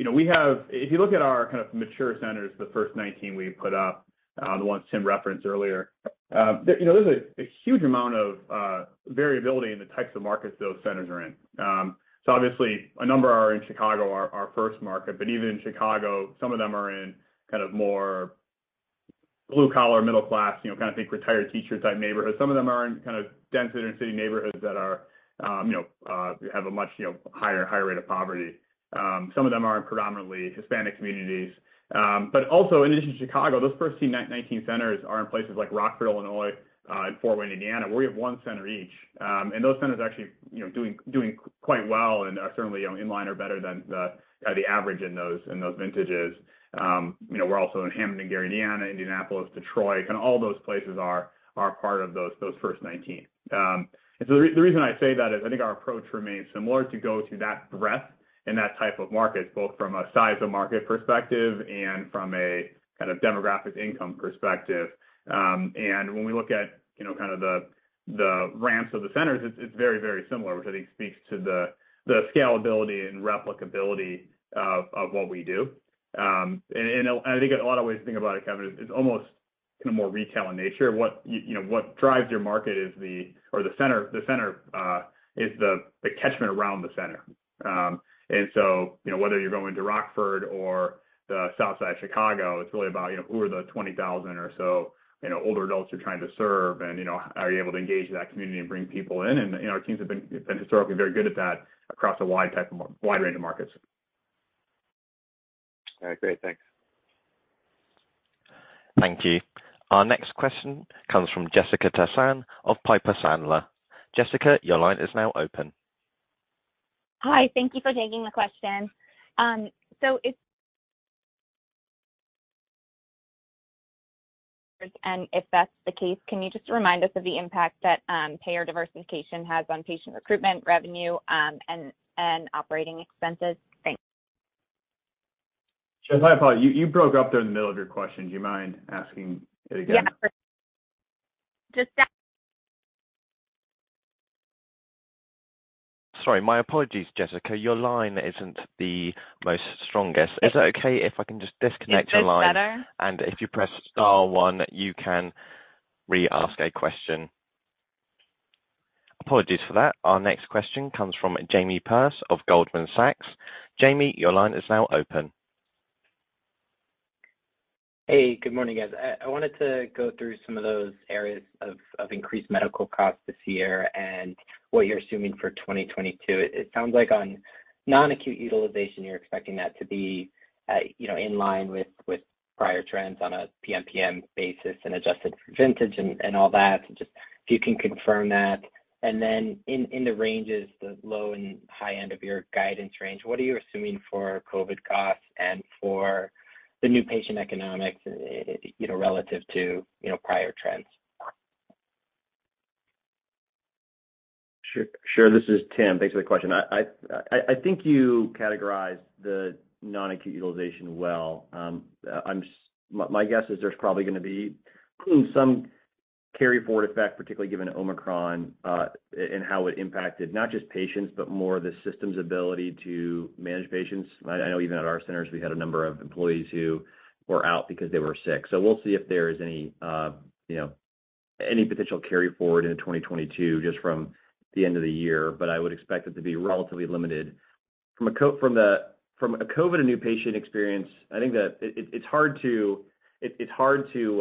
market. You know, we have, if you look at our kind of mature centers, the first 19 we put up, the ones Tim referenced earlier, you know, there's a huge amount of variability in the types of markets those centers are in. So obviously a number are in Chicago, our first market. But even in Chicago, some of them are in kind of more blue-collar, middle-class, you know, kind of think retired teacher type neighborhood. Some of them are in kind of dense inner-city neighborhoods that are, you know, have a much, you know, higher rate of poverty. Some of them are in predominantly Hispanic communities. Also in addition to Chicago, those first 19 centers are in places like Rockford, Illinois, and Fort Wayne, Indiana, where we have one center each. Those centers are actually, you know, doing quite well and are certainly, you know, in line or better than the average in those vintages. You know, we're also in Hammond and Gary, Indiana, Indianapolis, Detroit, and all those places are part of those first 19. The reason I say that is I think our approach remains similar to go to that breadth in that type of market, both from a size of market perspective and from a kind of demographic income perspective. When we look at, you know, kind of the ramps of the centers, it's very similar, which I think speaks to the scalability and replicability of what we do. I think in a lot of ways to think about it, Kevin, is it's almost kind of more retail in nature. You know, what drives your market is the center. The center is the catchment around the center. You know, whether you're going to Rockford or the South Side of Chicago, it's really about, you know, who are the 20,000 or so, you know, older adults you're trying to serve and, you know, are you able to engage that community and bring people in. You know, our teams have been historically very good at that across a wide range of markets. All right, great. Thanks. Thank you. Our next question comes from Jessica Tassan of Piper Sandler. Jessica, your line is now open. Hi, thank you for taking the question. If that's the case, can you just remind us of the impact that payer diversification has on patient recruitment, revenue, and operating expenses? Thanks. Jess, I apologize. You broke up there in the middle of your question. Do you mind asking it again? Yeah. Just that. Sorry, my apologies, Jessica. Your line isn't the most strongest. Is it okay if I can just disconnect your line? Is this better? If you press star one, you can re-ask a question. Apologies for that. Our next question comes from Jamie Perse of Goldman Sachs. Jamie, your line is now open. Hey, good morning, guys. I wanted to go through some of those areas of increased medical costs this year and what you're assuming for 2022. It sounds like on non-acute utilization, you're expecting that to be, you know, in line with prior trends on a PMPM basis and adjusted for vintage and all that. Just if you can confirm that. In the ranges, the low and high end of your guidance range, what are you assuming for COVID costs and for the new patient economics, you know, relative to prior trends? Sure. This is Tim. Thanks for the question. I think you categorized the non-acute utilization well. My guess is there's probably gonna be some carry forward effect, particularly given Omicron, and how it impacted not just patients, but more the system's ability to manage patients. I know even at our centers, we had a number of employees who were out because they were sick. We'll see if there is any, you know, any potential carry forward into 2022 just from the end of the year. I would expect it to be relatively limited. From a COVID and new patient experience, I think that it's hard to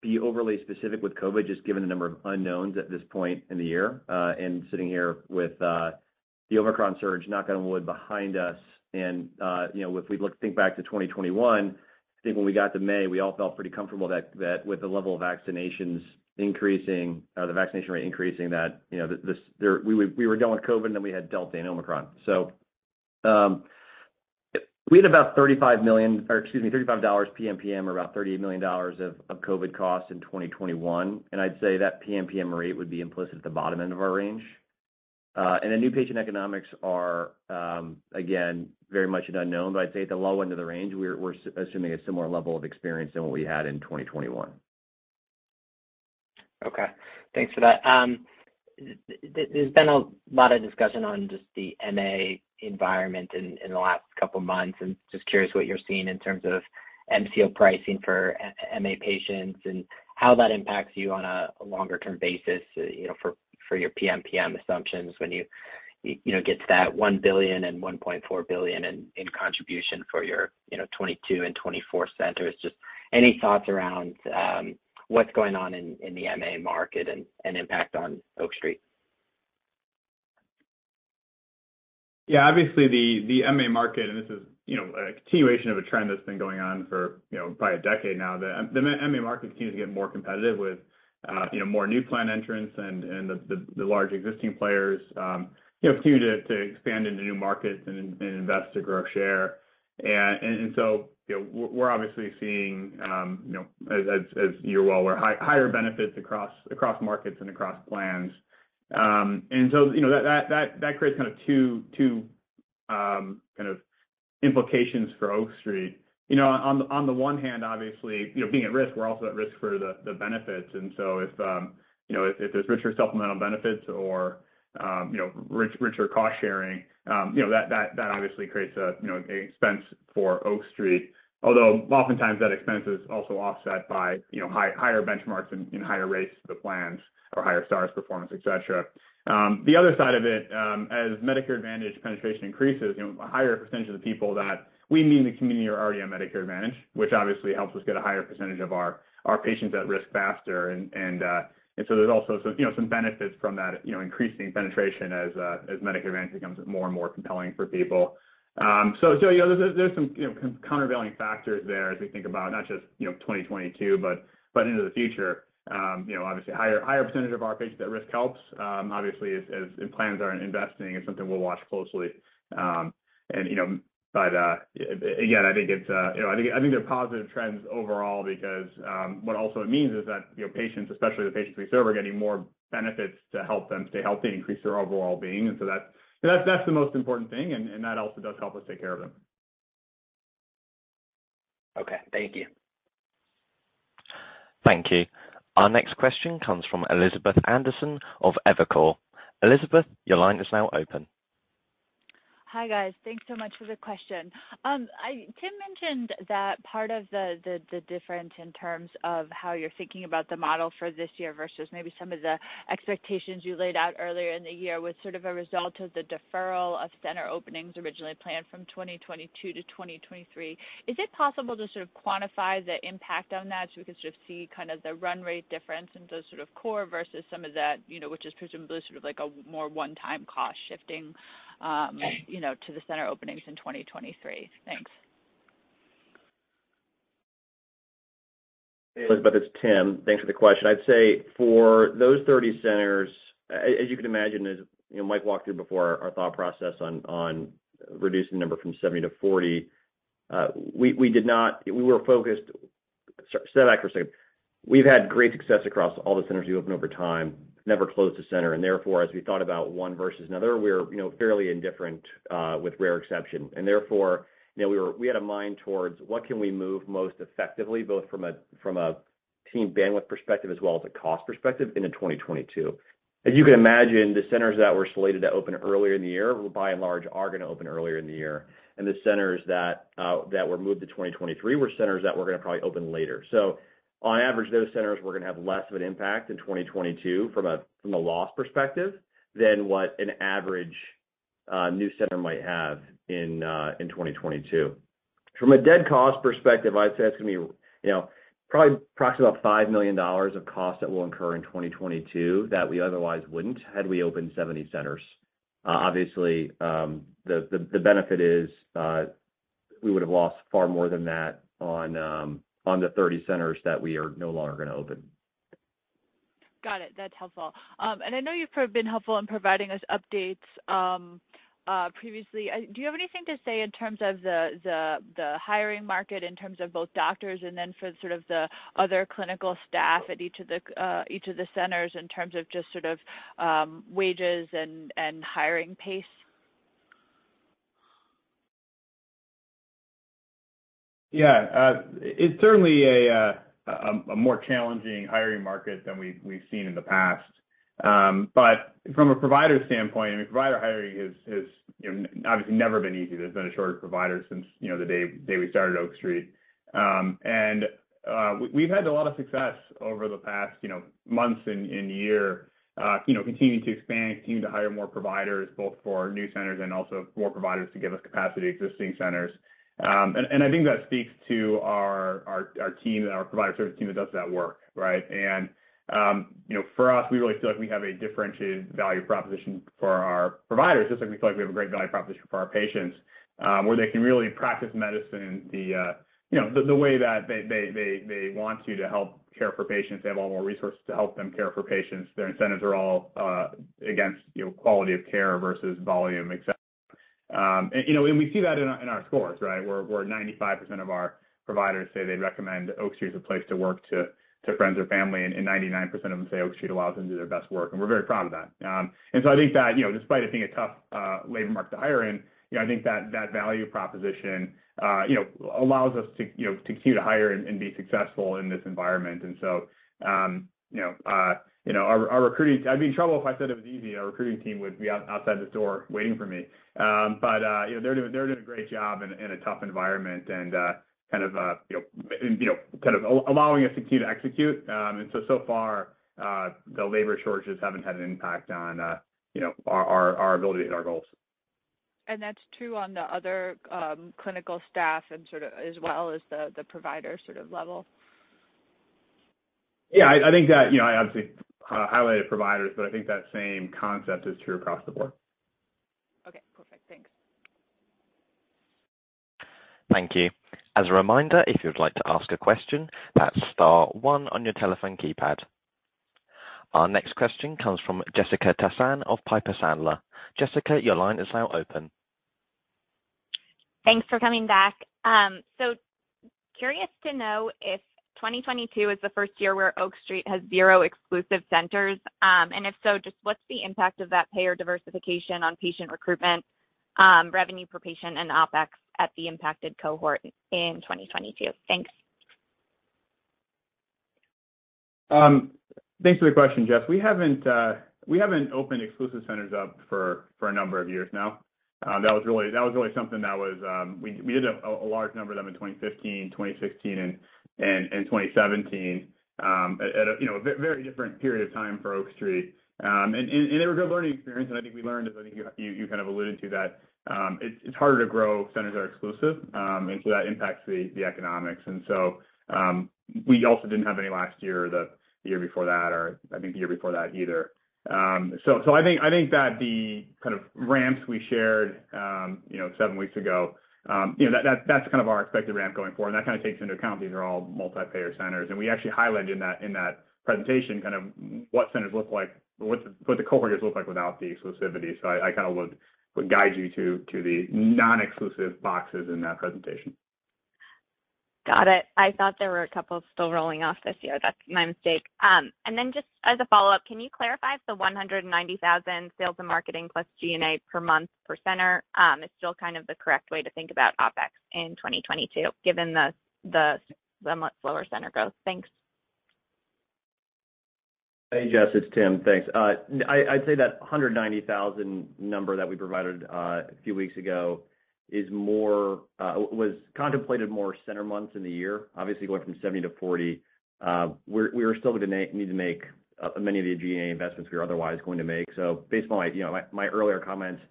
be overly specific with COVID just given the number of unknowns at this point in the year, and sitting here with the Omicron surge, knock on wood, behind us. You know, if we look back to 2021, I think when we got to May, we all felt pretty comfortable that with the level of vaccinations increasing or the vaccination rate increasing, you know, we were done with COVID, and then we had Delta and Omicron. We had about $35 million, or excuse me, $35 PMPM or about $38 million of COVID costs in 2021. I'd say that PMPM rate would be implicit at the bottom end of our range. The new patient economics are again very much an unknown, but I'd say at the low end of the range, we're assuming a similar level of experience to what we had in 2021. Okay. Thanks for that. There's been a lot of discussion on just the MA environment in the last couple of months. I'm just curious what you're seeing in terms of MCO pricing for MA patients and how that impacts you on a longer term basis, you know, for your PMPM assumptions when you get to that $1 billion and $1.4 billion in contribution for your 2022 and 2024 centers. Just any thoughts around what's going on in the MA market and impact on Oak Street? Yeah, obviously, the MA market, and this is, you know, a continuation of a trend that's been going on for, you know, probably a decade now. The MA market continues to get more competitive with, you know, more new plan entrants and the large existing players, you know, continue to expand into new markets and invest to grow share. So, you know, we're obviously seeing, you know, as you're well aware, higher benefits across markets and across plans. So, you know, that creates kind of two kind of implications for Oak Street. You know, on the one hand, obviously, you know, being at risk, we're also at risk for the benefits. If you know, if there's richer supplemental benefits or, you know, richer cost sharing, you know, that obviously creates a, you know, a expense for Oak Street. Although oftentimes that expense is also offset by, you know, higher benchmarks and higher rates for the plans or higher STARs performance, et cetera. The other side of it, as Medicare Advantage penetration increases, you know, a higher percentage of the people that we meet in the community are already on Medicare Advantage, which obviously helps us get a higher percentage of our patients at risk faster. There's also some, you know, some benefits from that, you know, increasing penetration as Medicare Advantage becomes more and more compelling for people. You know, there's some countervailing factors there as we think about not just, you know, 2022, but into the future. You know, obviously higher percentage of our patients at risk helps, obviously as plans are investing, it's something we'll watch closely. You know, but again, I think it's, you know, I think they're positive trends overall because what also it means is that, you know, patients, especially the patients we serve, are getting more benefits to help them stay healthy and increase their overall being. That's the most important thing, and that also does help us take care of them. Okay, thank you. Thank you. Our next question comes from Elizabeth Anderson of Evercore. Elizabeth, your line is now open. Hi, guys. Thanks so much for the question. Tim mentioned that part of the difference in terms of how you're thinking about the model for this year versus maybe some of the expectations you laid out earlier in the year was sort of a result of the deferral of center openings originally planned from 2022 to 2023. Is it possible to sort of quantify the impact on that so we can just see kind of the run rate difference into sort of core versus some of that, you know, which is presumably sort of like a more one-time cost shifting, you know, to the center openings in 2023? Thanks. Elizabeth, it's Tim. Thanks for the question. I'd say for those 30 centers, as you can imagine, you know, Mike walked through before our thought process on reducing the number from 70 to 40, we've had great success across all the centers we opened over time, never closed a center. Therefore, as we thought about one versus another, you know, we were fairly indifferent, with rare exception. Therefore, you know, we had a mind toward what we can move most effectively, both from a team bandwidth perspective as well as a cost perspective into 2022. As you can imagine, the centers that were slated to open earlier in the year, by and large, are gonna open earlier in the year. The centers that were moved to 2023 were centers that were gonna probably open later. On average, those centers were gonna have less of an impact in 2022 from a loss perspective than what an average new center might have in 2022. From a dead cost perspective, I'd say it's gonna be you know probably approximately $5 million of cost that we'll incur in 2022 that we otherwise wouldn't had we opened 70 centers. Obviously, the benefit is we would have lost far more than that on the 30 centers that we are no longer gonna open. Got it. That's helpful. I know you've been helpful in providing us updates, previously. Do you have anything to say in terms of the hiring market in terms of both doctors and then for sort of the other clinical staff at each of the centers in terms of just sort of, wages and hiring pace? Yeah, it's certainly a more challenging hiring market than we've seen in the past. From a provider standpoint, I mean, provider hiring has, you know, obviously never been easy. There's been a shortage of providers since, you know, the day we started Oak Street. We've had a lot of success over the past, you know, months and year, you know, continuing to expand, continue to hire more providers, both for new centers and also more providers to give us capacity existing centers. I think that speaks to our team and our provider service team that does that work, right? You know, for us, we really feel like we have a differentiated value proposition for our providers, just like we feel like we have a great value proposition for our patients, where they can really practice medicine the way that they want to help care for patients. They have a lot more resources to help them care for patients. Their incentives are all against, you know, quality of care versus volume, et cetera. You know, we see that in our scores, right? Where 95% of our providers say they'd recommend Oak Street as a place to work to friends or family, and 99% of them say Oak Street allows them to do their best work. We're very proud of that. I think that, you know, despite it being a tough labor market to hire in, you know, I think that value proposition, you know, allows us to, you know, to continue to hire and be successful in this environment. Our recruiting. I'd be in trouble if I said it was easy. Our recruiting team would be outside this door waiting for me. They're doing a great job in a tough environment and kind of allowing us to continue to execute. So far, the labor shortages haven't had an impact on, you know, our ability to hit our goals. That's true on the other, clinical staff and sort of as well as the provider sort of level? Yeah, I think that, you know, I obviously highlighted providers, but I think that same concept is true across the board. Okay, perfect. Thanks. Thank you. As a reminder, if you'd like to ask a question, that's star one on your telephone keypad. Our next question comes from Jessica Tassan of Piper Sandler. Jessica, your line is now open. Thanks for coming back. Curious to know if 2022 is the first year where Oak Street has zero exclusive centers. If so, just what's the impact of that payer diversification on patient recruitment, revenue per patient and OpEx at the impacted cohort in 2022? Thanks. Thanks for the question, Jess. We haven't opened exclusive centers up for a number of years now. That was really something that was. We did a large number of them in 2015, 2016 and 2017, you know, a very different period of time for Oak Street. It was a good learning experience, and I think we learned, as I think you kind of alluded to that, it's harder to grow centers that are exclusive, and so that impacts the economics. We also didn't have any last year or the year before that or I think the year before that either. I think that the kind of ramps we shared, you know, seven weeks ago, you know, that's kind of our expected ramp going forward, and that kind of takes into account these are all multi-payer centers. We actually highlighted in that presentation kind of what centers look like or what the cohort looks like without the exclusivity. I kind of would guide you to the non-exclusive boxes in that presentation. Got it. I thought there were a couple still rolling off this year. That's my mistake. Just as a follow-up, can you clarify if the $190,000 sales and marketing plus G&A per month per center is still kind of the correct way to think about OpEx in 2022, given the somewhat slower center growth? Thanks. Hey, Jess, it's Tim. Thanks. I'd say that $190,000 number that we provided a few weeks ago is more. Was contemplated more center months in the year, obviously going from 70 to 40. We were still going to need to make many of the G&A investments we were otherwise going to make. Based on my, you know, my earlier comments,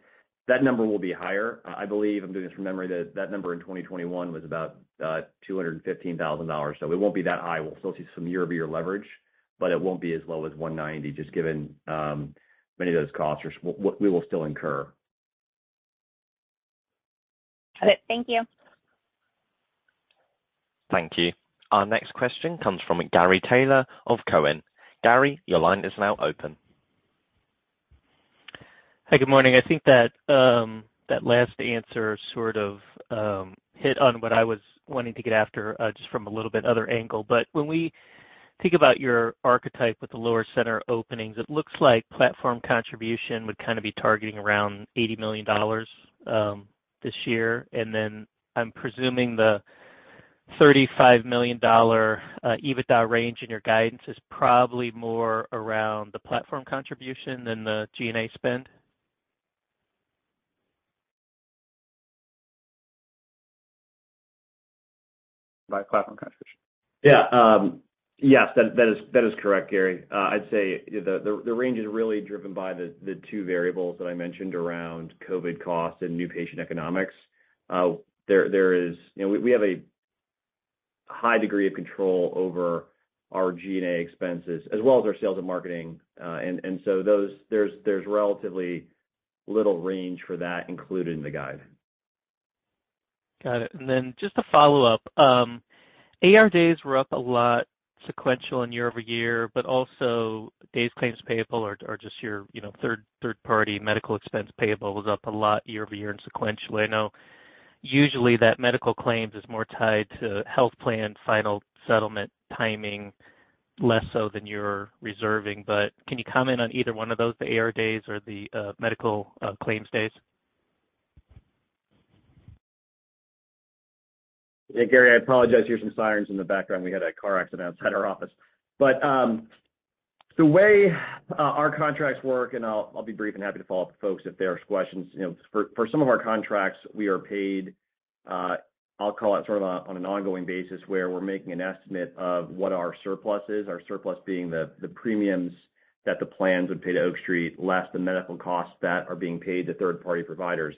that number will be higher. I believe, I'm doing this from memory, that number in 2021 was about $215,000. It won't be that high. We'll still see some year-over-year leverage, but it won't be as low as $190,000, just given many of those costs we will still incur. Got it. Thank you. Thank you. Our next question comes from Gary Taylor of Cowen. Gary, your line is now open. Hi, good morning. I think that last answer sort of hit on what I was wanting to get at just from a little bit other angle. When we think about your archetype with the lower center openings, it looks like platform contribution would kind of be targeting around $80 million this year. I'm presuming the $35 million EBITDA range in your guidance is probably more around the platform contribution than the G&A spend. By platform contribution. Yeah. Yes, that is correct, Gary. I'd say the range is really driven by the two variables that I mentioned around COVID costs and new patient economics. You know, we have a high degree of control over our G&A expenses as well as our sales and marketing, and so those, there's relatively little range for that included in the guide. Got it. Then just a follow-up. AR days were up a lot sequentially and year over year, but also days claims payable or just your, you know, third party medical expense payable was up a lot year over year and sequentially. I know usually that medical claims is more tied to health plan final settlement timing, less so than your reserving. Can you comment on either one of those, the AR days or the medical claims days? Yeah. Gary, I apologize. You hear some sirens in the background. We had a car accident outside our office. The way our contracts work, and I'll be brief and happy to follow up with folks if there's questions. You know, for some of our contracts, we are paid. I'll call it sort of on an ongoing basis, where we're making an estimate of what our surplus is, our surplus being the premiums that the plans would pay to Oak Street, less the medical costs that are being paid to third party providers.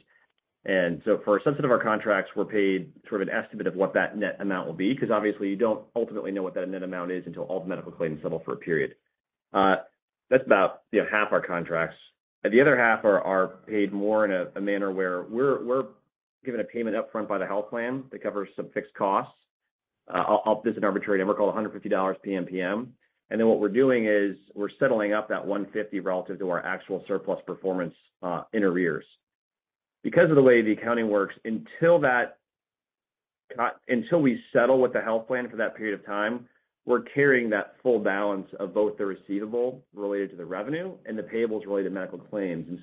For a subset of our contracts, we're paid sort of an estimate of what that net amount will be, because obviously you don't ultimately know what that net amount is until all the medical claims settle for a period. That's about, you know, half our contracts. The other half are paid more in a manner where we're given a payment upfront by the health plan that covers some fixed costs. I'll use an arbitrary number called $150 PMPM. Then what we're doing is we're settling up that $150 relative to our actual surplus performance, in arrears. Because of the way the accounting works, until we settle with the health plan for that period of time, we're carrying that full balance of both the receivable related to the revenue and the payables related to medical claims.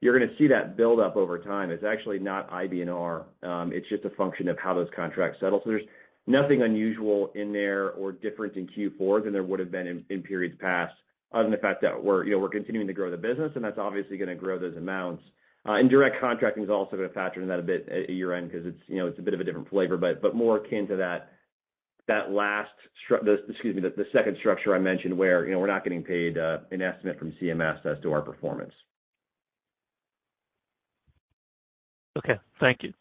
You're gonna see that build up over time. It's actually not IBNR. It's just a function of how those contracts settle. There's nothing unusual in there or different in Q4 than there would have been in periods past, other than the fact that you know we're continuing to grow the business, and that's obviously gonna grow those amounts. Indirect contracting is also gonna factor into that a bit at year-end because it's you know a bit of a different flavor, but more akin to that last Excuse me, the second structure I mentioned where you know we're not getting paid an estimate from CMS as to our performance. Okay. Thank you.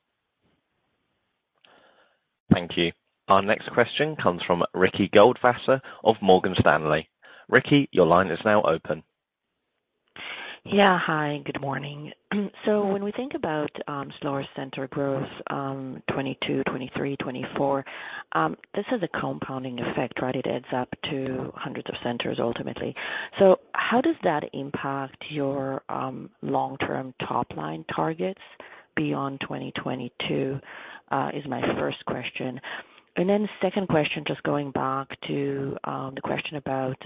Thank you. Our next question comes from Ricky Goldwasser of Morgan Stanley. Ricky, your line is now open. Yeah. Hi, good morning. When we think about slower center growth, 2022, 2023, 2024, this is a compounding effect, right? It adds up to hundreds of centers ultimately. How does that impact your long-term top line targets? Beyond 2022 is my first question. Then the second question, just going back to the question about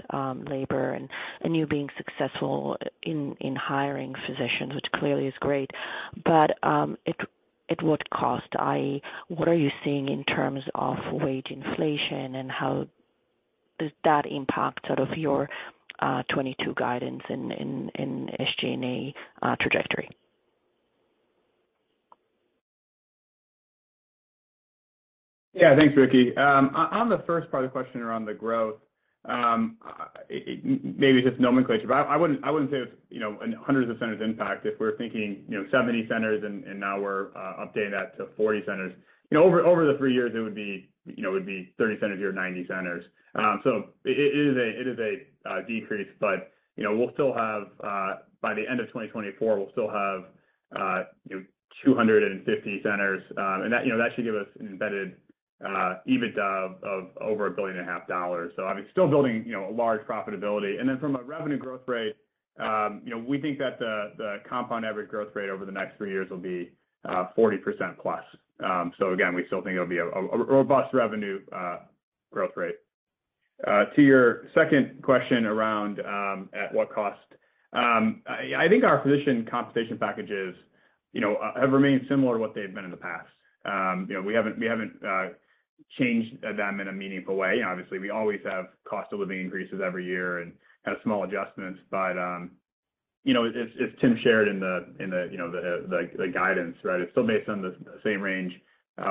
labor and you being successful in hiring physicians, which clearly is great. At what cost, i.e., what are you seeing in terms of wage inflation, and how does that impact sort of your 2022 guidance in SG&A trajectory? Yeah. Thanks, Ricky. On the first part of the question around the growth, maybe it's just nomenclature, but I wouldn't say it's hundreds of centers impact if we're thinking 70 centers and now we're updating that to 40 centers. You know, over the three years, it would be 30 centers or 90 centers. It is a decrease, but you know, we'll still have by the end of 2024 250 centers. That should give us an embedded EBITDA of over $1.5 billion. I mean, still building you know, a large profitability. From a revenue growth rate, you know, we think that the compound average growth rate over the next three years will be 40% plus. Again, we still think it'll be a robust revenue growth rate. To your second question around at what cost. I think our physician compensation packages, you know, have remained similar to what they've been in the past. You know, we haven't changed them in a meaningful way. Obviously, we always have cost of living increases every year and have small adjustments. You know, as Tim shared in the guidance, right, it's still based on the same range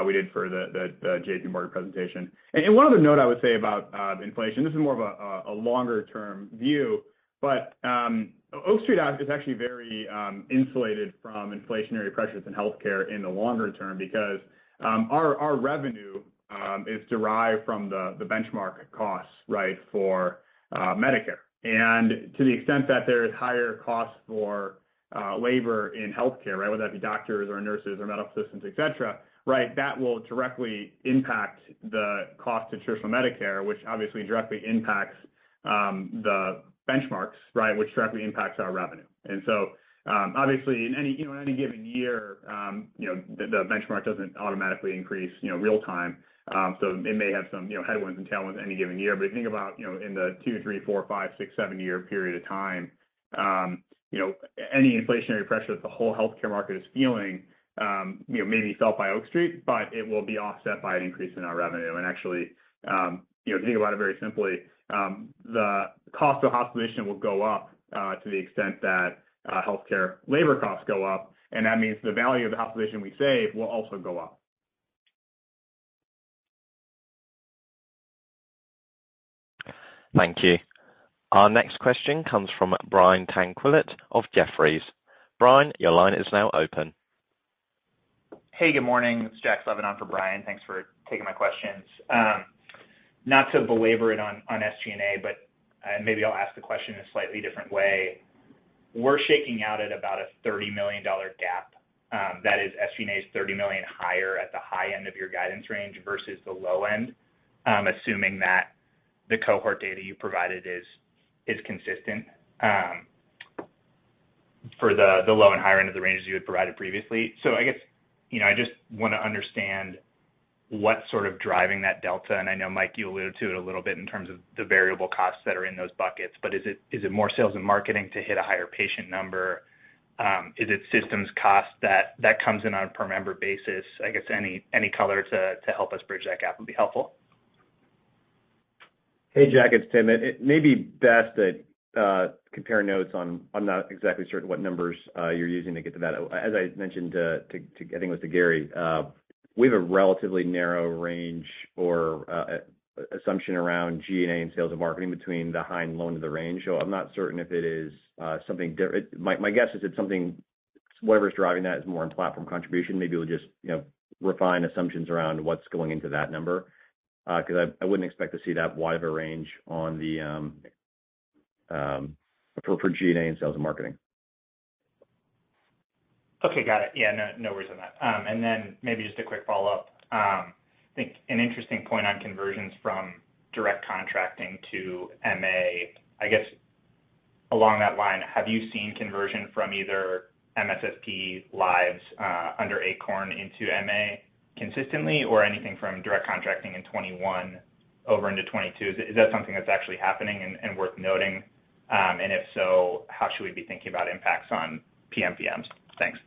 we did for the JPMorgan presentation. One other note I would say about inflation, this is more of a longer-term view, but Oak Street is actually very insulated from inflationary pressures in healthcare in the longer term because our revenue is derived from the benchmark costs, right, for Medicare. To the extent that there is higher costs for labor in healthcare, right, whether that be doctors or nurses or medical assistants, et cetera, right, that will directly impact the cost of traditional Medicare, which obviously directly impacts the benchmarks, right, which directly impacts our revenue. Obviously, in any you know, in any given year, you know, the benchmark doesn't automatically increase, you know, real-time. It may have some you know, headwinds and tailwinds any given year. If you think about, you know, in the two-, three-, four-, five-, six-, seven-year period of time, you know, any inflationary pressure that the whole healthcare market is feeling, you know, maybe felt by Oak Street, but it will be offset by an increase in our revenue. Actually, you know, think about it very simply, the cost of a hospital admission will go up, to the extent that, healthcare labor costs go up, and that means the value of the hospital admission we save will also go up. Thank you. Our next question comes from Brian Tanquilut of Jefferies. Brian, your line is now open. Hey, good morning. It's Jack Sullivan for Brian. Thanks for taking my questions. Not to belabor it on SG&A, but maybe I'll ask the question in a slightly different way. We're shaking out at about a $30 million gap that is SG&A's $30 million higher at the high end of your guidance range versus the low end, assuming that the cohort data you provided is consistent for the low and high end of the ranges you had provided previously. I guess, you know, I just wanna understand what's sort of driving that delta. I know, Mike, you alluded to it a little bit in terms of the variable costs that are in those buckets. Is it more sales and marketing to hit a higher patient number? Is it systems cost that comes in on a per member basis? I guess any color to help us bridge that gap would be helpful. Hey, Jack, it's Tim. It may be best to compare notes. I'm not exactly certain what numbers you're using to get to that. As I mentioned to Gary, we have a relatively narrow range or assumption around G&A and sales and marketing between the high and low end of the range. I'm not certain if it is something different. My guess is it's something, whatever is driving that is more in platform contribution. Maybe we'll just, you know, refine assumptions around what's going into that number, 'cause I wouldn't expect to see that wide of a range for G&A and sales and marketing. Okay. Got it. Yeah. No, no worries on that. Maybe just a quick follow-up. I think an interesting point on conversions from direct contracting to MA. I guess along that line, have you seen conversion from either MSSP lives under ACORN into MA consistently or anything from direct contracting in 2021 over into 2022? Is that something that's actually happening and worth noting? If so, how should we be thinking about impacts on PMPMs? Thanks.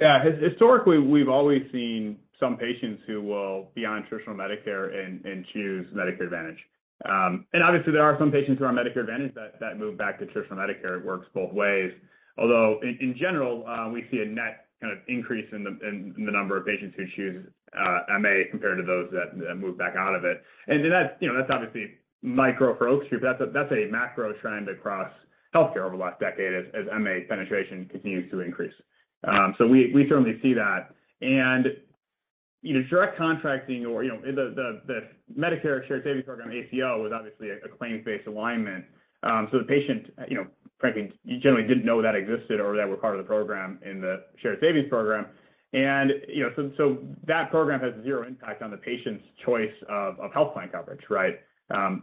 Yeah. Historically, we've always seen some patients who will be on traditional Medicare and choose Medicare Advantage. Obviously, there are some patients who are on Medicare Advantage that move back to traditional Medicare. It works both ways. Although in general, we see a net kind of increase in the number of patients who choose MA compared to those that move back out of it. That's, you know, that's obviously macro for Oak Street. That's a macro trend across healthcare over the last decade as MA penetration continues to increase. We certainly see that. You know, direct contracting or the Medicare Shared Savings Program, ACO, was obviously a claims-based alignment. The patient, you know, frankly, generally didn't know that existed or that were part of the program in the Shared Savings Program. You know, so that program has zero impact on the patient's choice of health plan coverage, right? Again,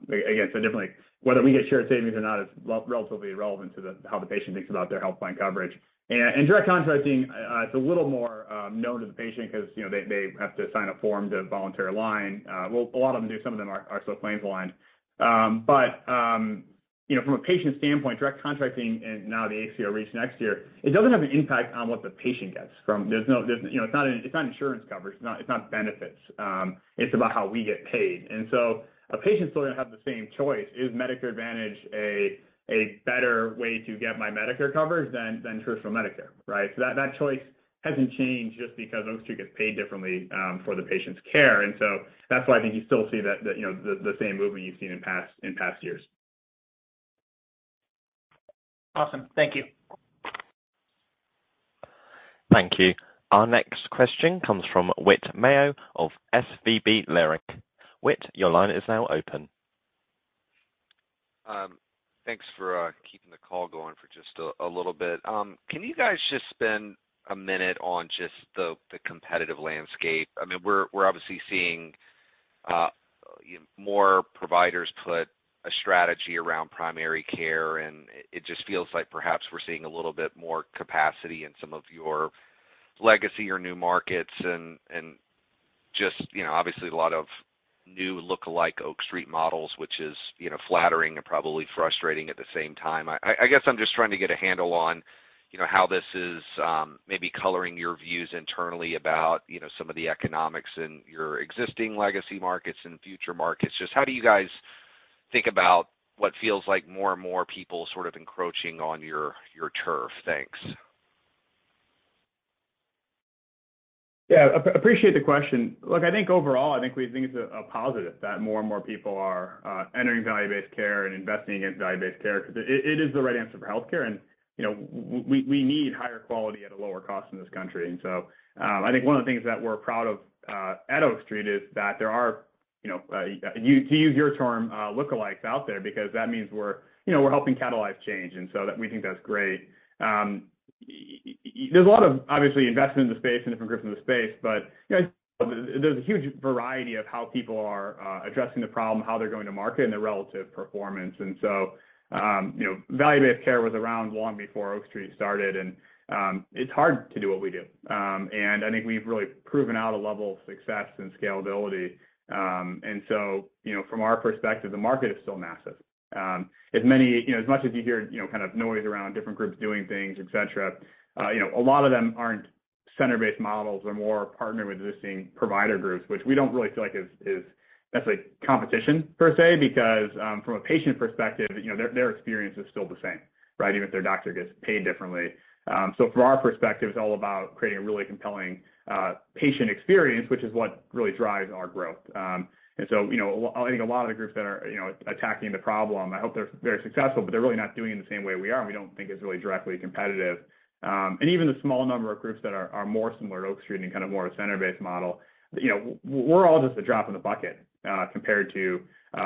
definitely whether we get shared savings or not is relatively irrelevant to how the patient thinks about their health plan coverage. Direct contracting, it's a little more known to the patient because, you know, they have to sign a form to voluntarily align. Well, a lot of them do. Some of them are still claims aligned. You know, from a patient standpoint, Direct Contracting and now the ACO REACH next year, it doesn't have an impact on what the patient gets from There's no, you know, it's not insurance coverage, it's not benefits. It's about how we get paid. A patient's still gonna have the same choice. Is Medicare Advantage a better way to get my Medicare coverage than traditional Medicare, right? That choice hasn't changed just because Oak Street gets paid differently for the patient's care. That's why I think you still see, you know, the same movement you've seen in past years. Awesome. Thank you. Thank you. Our next question comes from Whit Mayo of SVB Leerink. Whit, your line is now open. Thanks for keeping the call going for just a little bit. Can you guys just spend a minute on just the competitive landscape? I mean, we're obviously seeing more providers put a strategy around primary care, and it just feels like perhaps we're seeing a little bit more capacity in some of your legacy or new markets and just, you know, obviously a lot of new lookalike Oak Street models, which is, you know, flattering and probably frustrating at the same time. I guess I'm just trying to get a handle on, you know, how this is maybe coloring your views internally about, you know, some of the economics in your existing legacy markets and future markets. Just how do you guys think about what feels like more and more people sort of encroaching on your turf? Thanks. Appreciate the question. Look, I think overall, I think we think it's a positive that more and more people are entering value-based care and investing in value-based care, 'cause it is the right answer for healthcare. You know, we need higher quality at a lower cost in this country. I think one of the things that we're proud of at Oak Street is that there are, you know, to use your term, lookalikes out there because that means we're helping catalyze change, and so that we think that's great. There's a lot of obvious investment in the space and different groups in the space, but, you know, there's a huge variety of how people are addressing the problem, how they're going to market, and their relative performance. You know, value-based care was around long before Oak Street started, and it's hard to do what we do. I think we've really proven out a level of success and scalability. You know, from our perspective, the market is still massive. As many, you know, as much as you hear, you know, kind of noise around different groups doing things, et cetera, you know, a lot of them aren't center-based models or more partner with existing provider groups, which we don't really feel like is necessarily competition per se, because from a patient perspective, you know, their experience is still the same, right? Even if their doctor gets paid differently. From our perspective, it's all about creating a really compelling patient experience, which is what really drives our growth. You know, I think a lot of the groups that are, you know, attacking the problem. I hope they're very successful, but they're really not doing it the same way we are, and we don't think it's really directly competitive. Even the small number of groups that are more similar to Oak Street and kind of more a center-based model, you know, we're all just a drop in the bucket compared to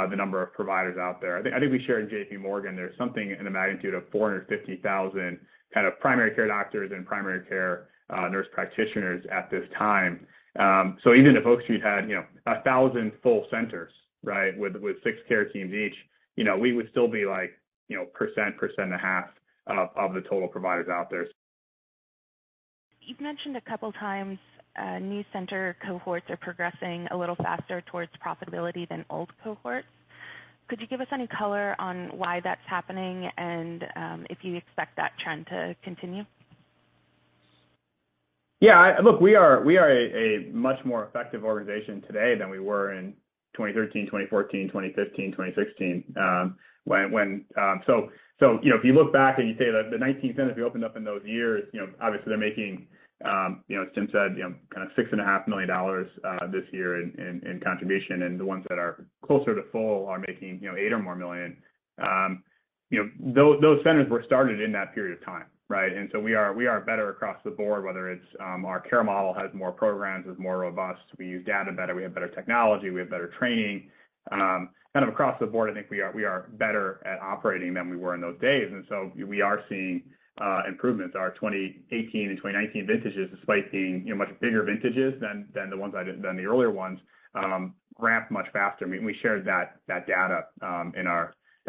the number of providers out there. I think we shared in JPMorgan. There's something in the magnitude of 450,000 primary care doctors and primary care nurse practitioners at this time. Even if Oak Street had, you know, 1,000 full centers, right, with six care teams each, you know, we would still be like, you know, 1%-1.5% of the total providers out there. You've mentioned a couple times, new center cohorts are progressing a little faster towards profitability than old cohorts. Could you give us any color on why that's happening and, if you expect that trend to continue? Yeah. Look, we are a much more effective organization today than we were in 2013, 2014, 2015, 2016. You know, if you look back and you say that the 19th center we opened up in those years, you know, obviously they're making, you know, as Tim said, you know, kinda $6.5 million this year in contribution, and the ones that are closer to full are making, you know, $8 million or more. You know, those centers were started in that period of time, right? We are better across the board, whether it's our care model has more programs, is more robust, we use data better, we have better technology, we have better training. Kind of across the board, I think we are better at operating than we were in those days, and so we are seeing improvements. Our 2018 and 2019 vintages, despite being, you know, much bigger vintages than the earlier ones, ramped much faster. I mean, we shared that data in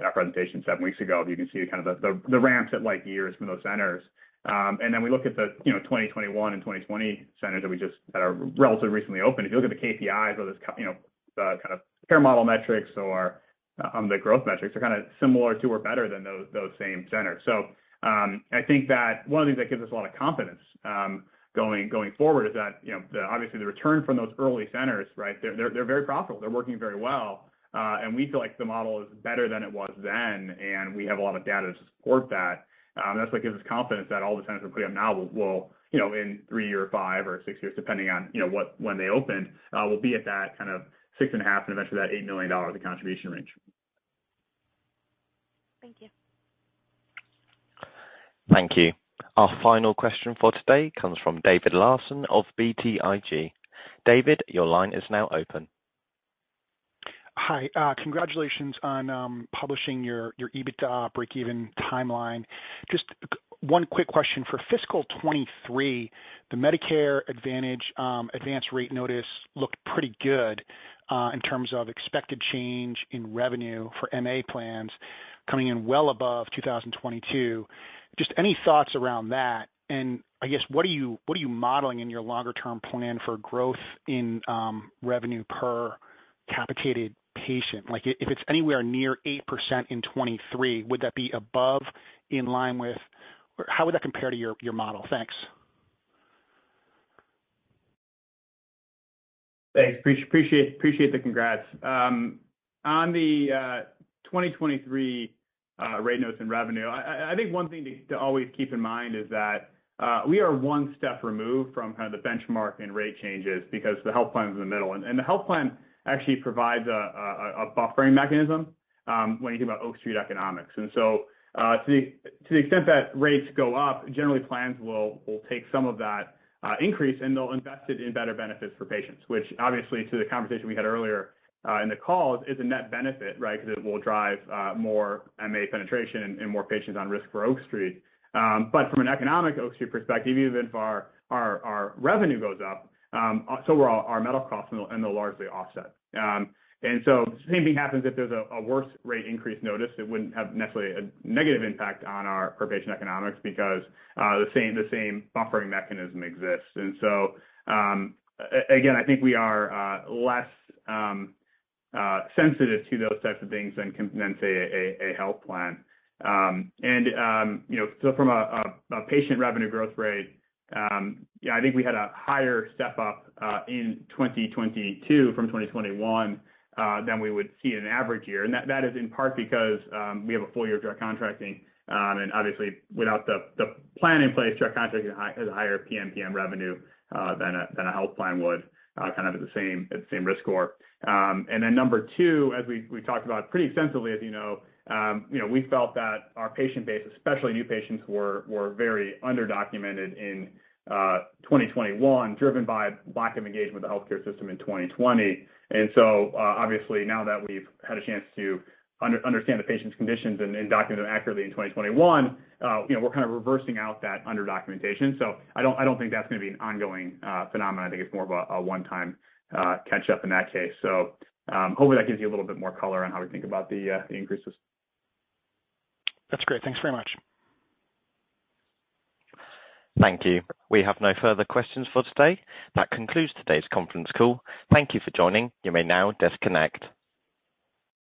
our presentation seven weeks ago. You can see kind of the ramps at like years for those centers. Then we look at the, you know, 2021 and 2020 centers that are relatively recently opened. If you look at the KPIs, you know, the kind of care model metrics or the growth metrics are kinda similar to or better than those same centers. I think that one of the things that gives us a lot of confidence, going forward is that, you know, obviously the return from those early centers, right, they're very profitable, they're working very well. And we feel like the model is better than it was then, and we have a lot of data to support that. That's what gives us confidence that all the centers we're putting up now will, you know, in three or five or six years, depending on, you know, when they open, will be at that kind of six and a half and eventually that $8 million of contribution range. Thank you. Thank you. Our final question for today comes from David Larsen of BTIG. David, your line is now open. Hi. Congratulations on publishing your EBITDA breakeven timeline. Just one quick question. For fiscal 2023, the Medicare Advantage advance rate notice looked pretty good in terms of expected change in revenue for MA plans coming in well above 2022. Just any thoughts around that? I guess, what are you modeling in your longer term plan for growth in revenue per anticipated patient, like if it's anywhere near 8% in 2023, would that be above, in line with or how would that compare to your model? Thanks. Thanks. Appreciate the congrats. On the 2023 rate notes and revenue, I think one thing to always keep in mind is that we are one step removed from kind of the benchmark and rate changes because the health plan is in the middle. The health plan actually provides a buffering mechanism when you think about Oak Street economics. To the extent that rates go up, generally plans will take some of that increase, and they'll invest it in better benefits for patients, which obviously to the conversation we had earlier in the call is a net benefit, right? Because it will drive more MA penetration and more patients on risk for Oak Street. From an economic Oak Street perspective, even if our revenue goes up, so will our medical costs, and they'll largely offset. The same thing happens if there's a worse rate increase notice. It wouldn't have necessarily a negative impact on our per-patient economics because the same buffering mechanism exists. Again, I think we are less sensitive to those types of things than, say, a health plan. You know, from a patient revenue growth rate, yeah, I think we had a higher step up in 2022 from 2021 than we would see in an average year. That is in part because we have a full year of direct contracting, and obviously without the plan in place, direct contracting has higher PMPM revenue than a health plan would kind of at the same risk score. Then number two, as we talked about pretty extensively as you know, you know, we felt that our patient base, especially new patients, were very under-documented in 2021, driven by lack of engagement with the healthcare system in 2020. Obviously now that we've had a chance to understand the patient's conditions and document them accurately in 2021, you know, we're kind of reversing out that under documentation. I don't think that's gonna be an ongoing phenomenon. I think it's more of a one-time catch up in that case. Hopefully that gives you a little bit more color on how we think about the increases. That's great. Thanks very much. Thank you. We have no further questions for today. That concludes today's conference call. Thank you for joining. You may now disconnect.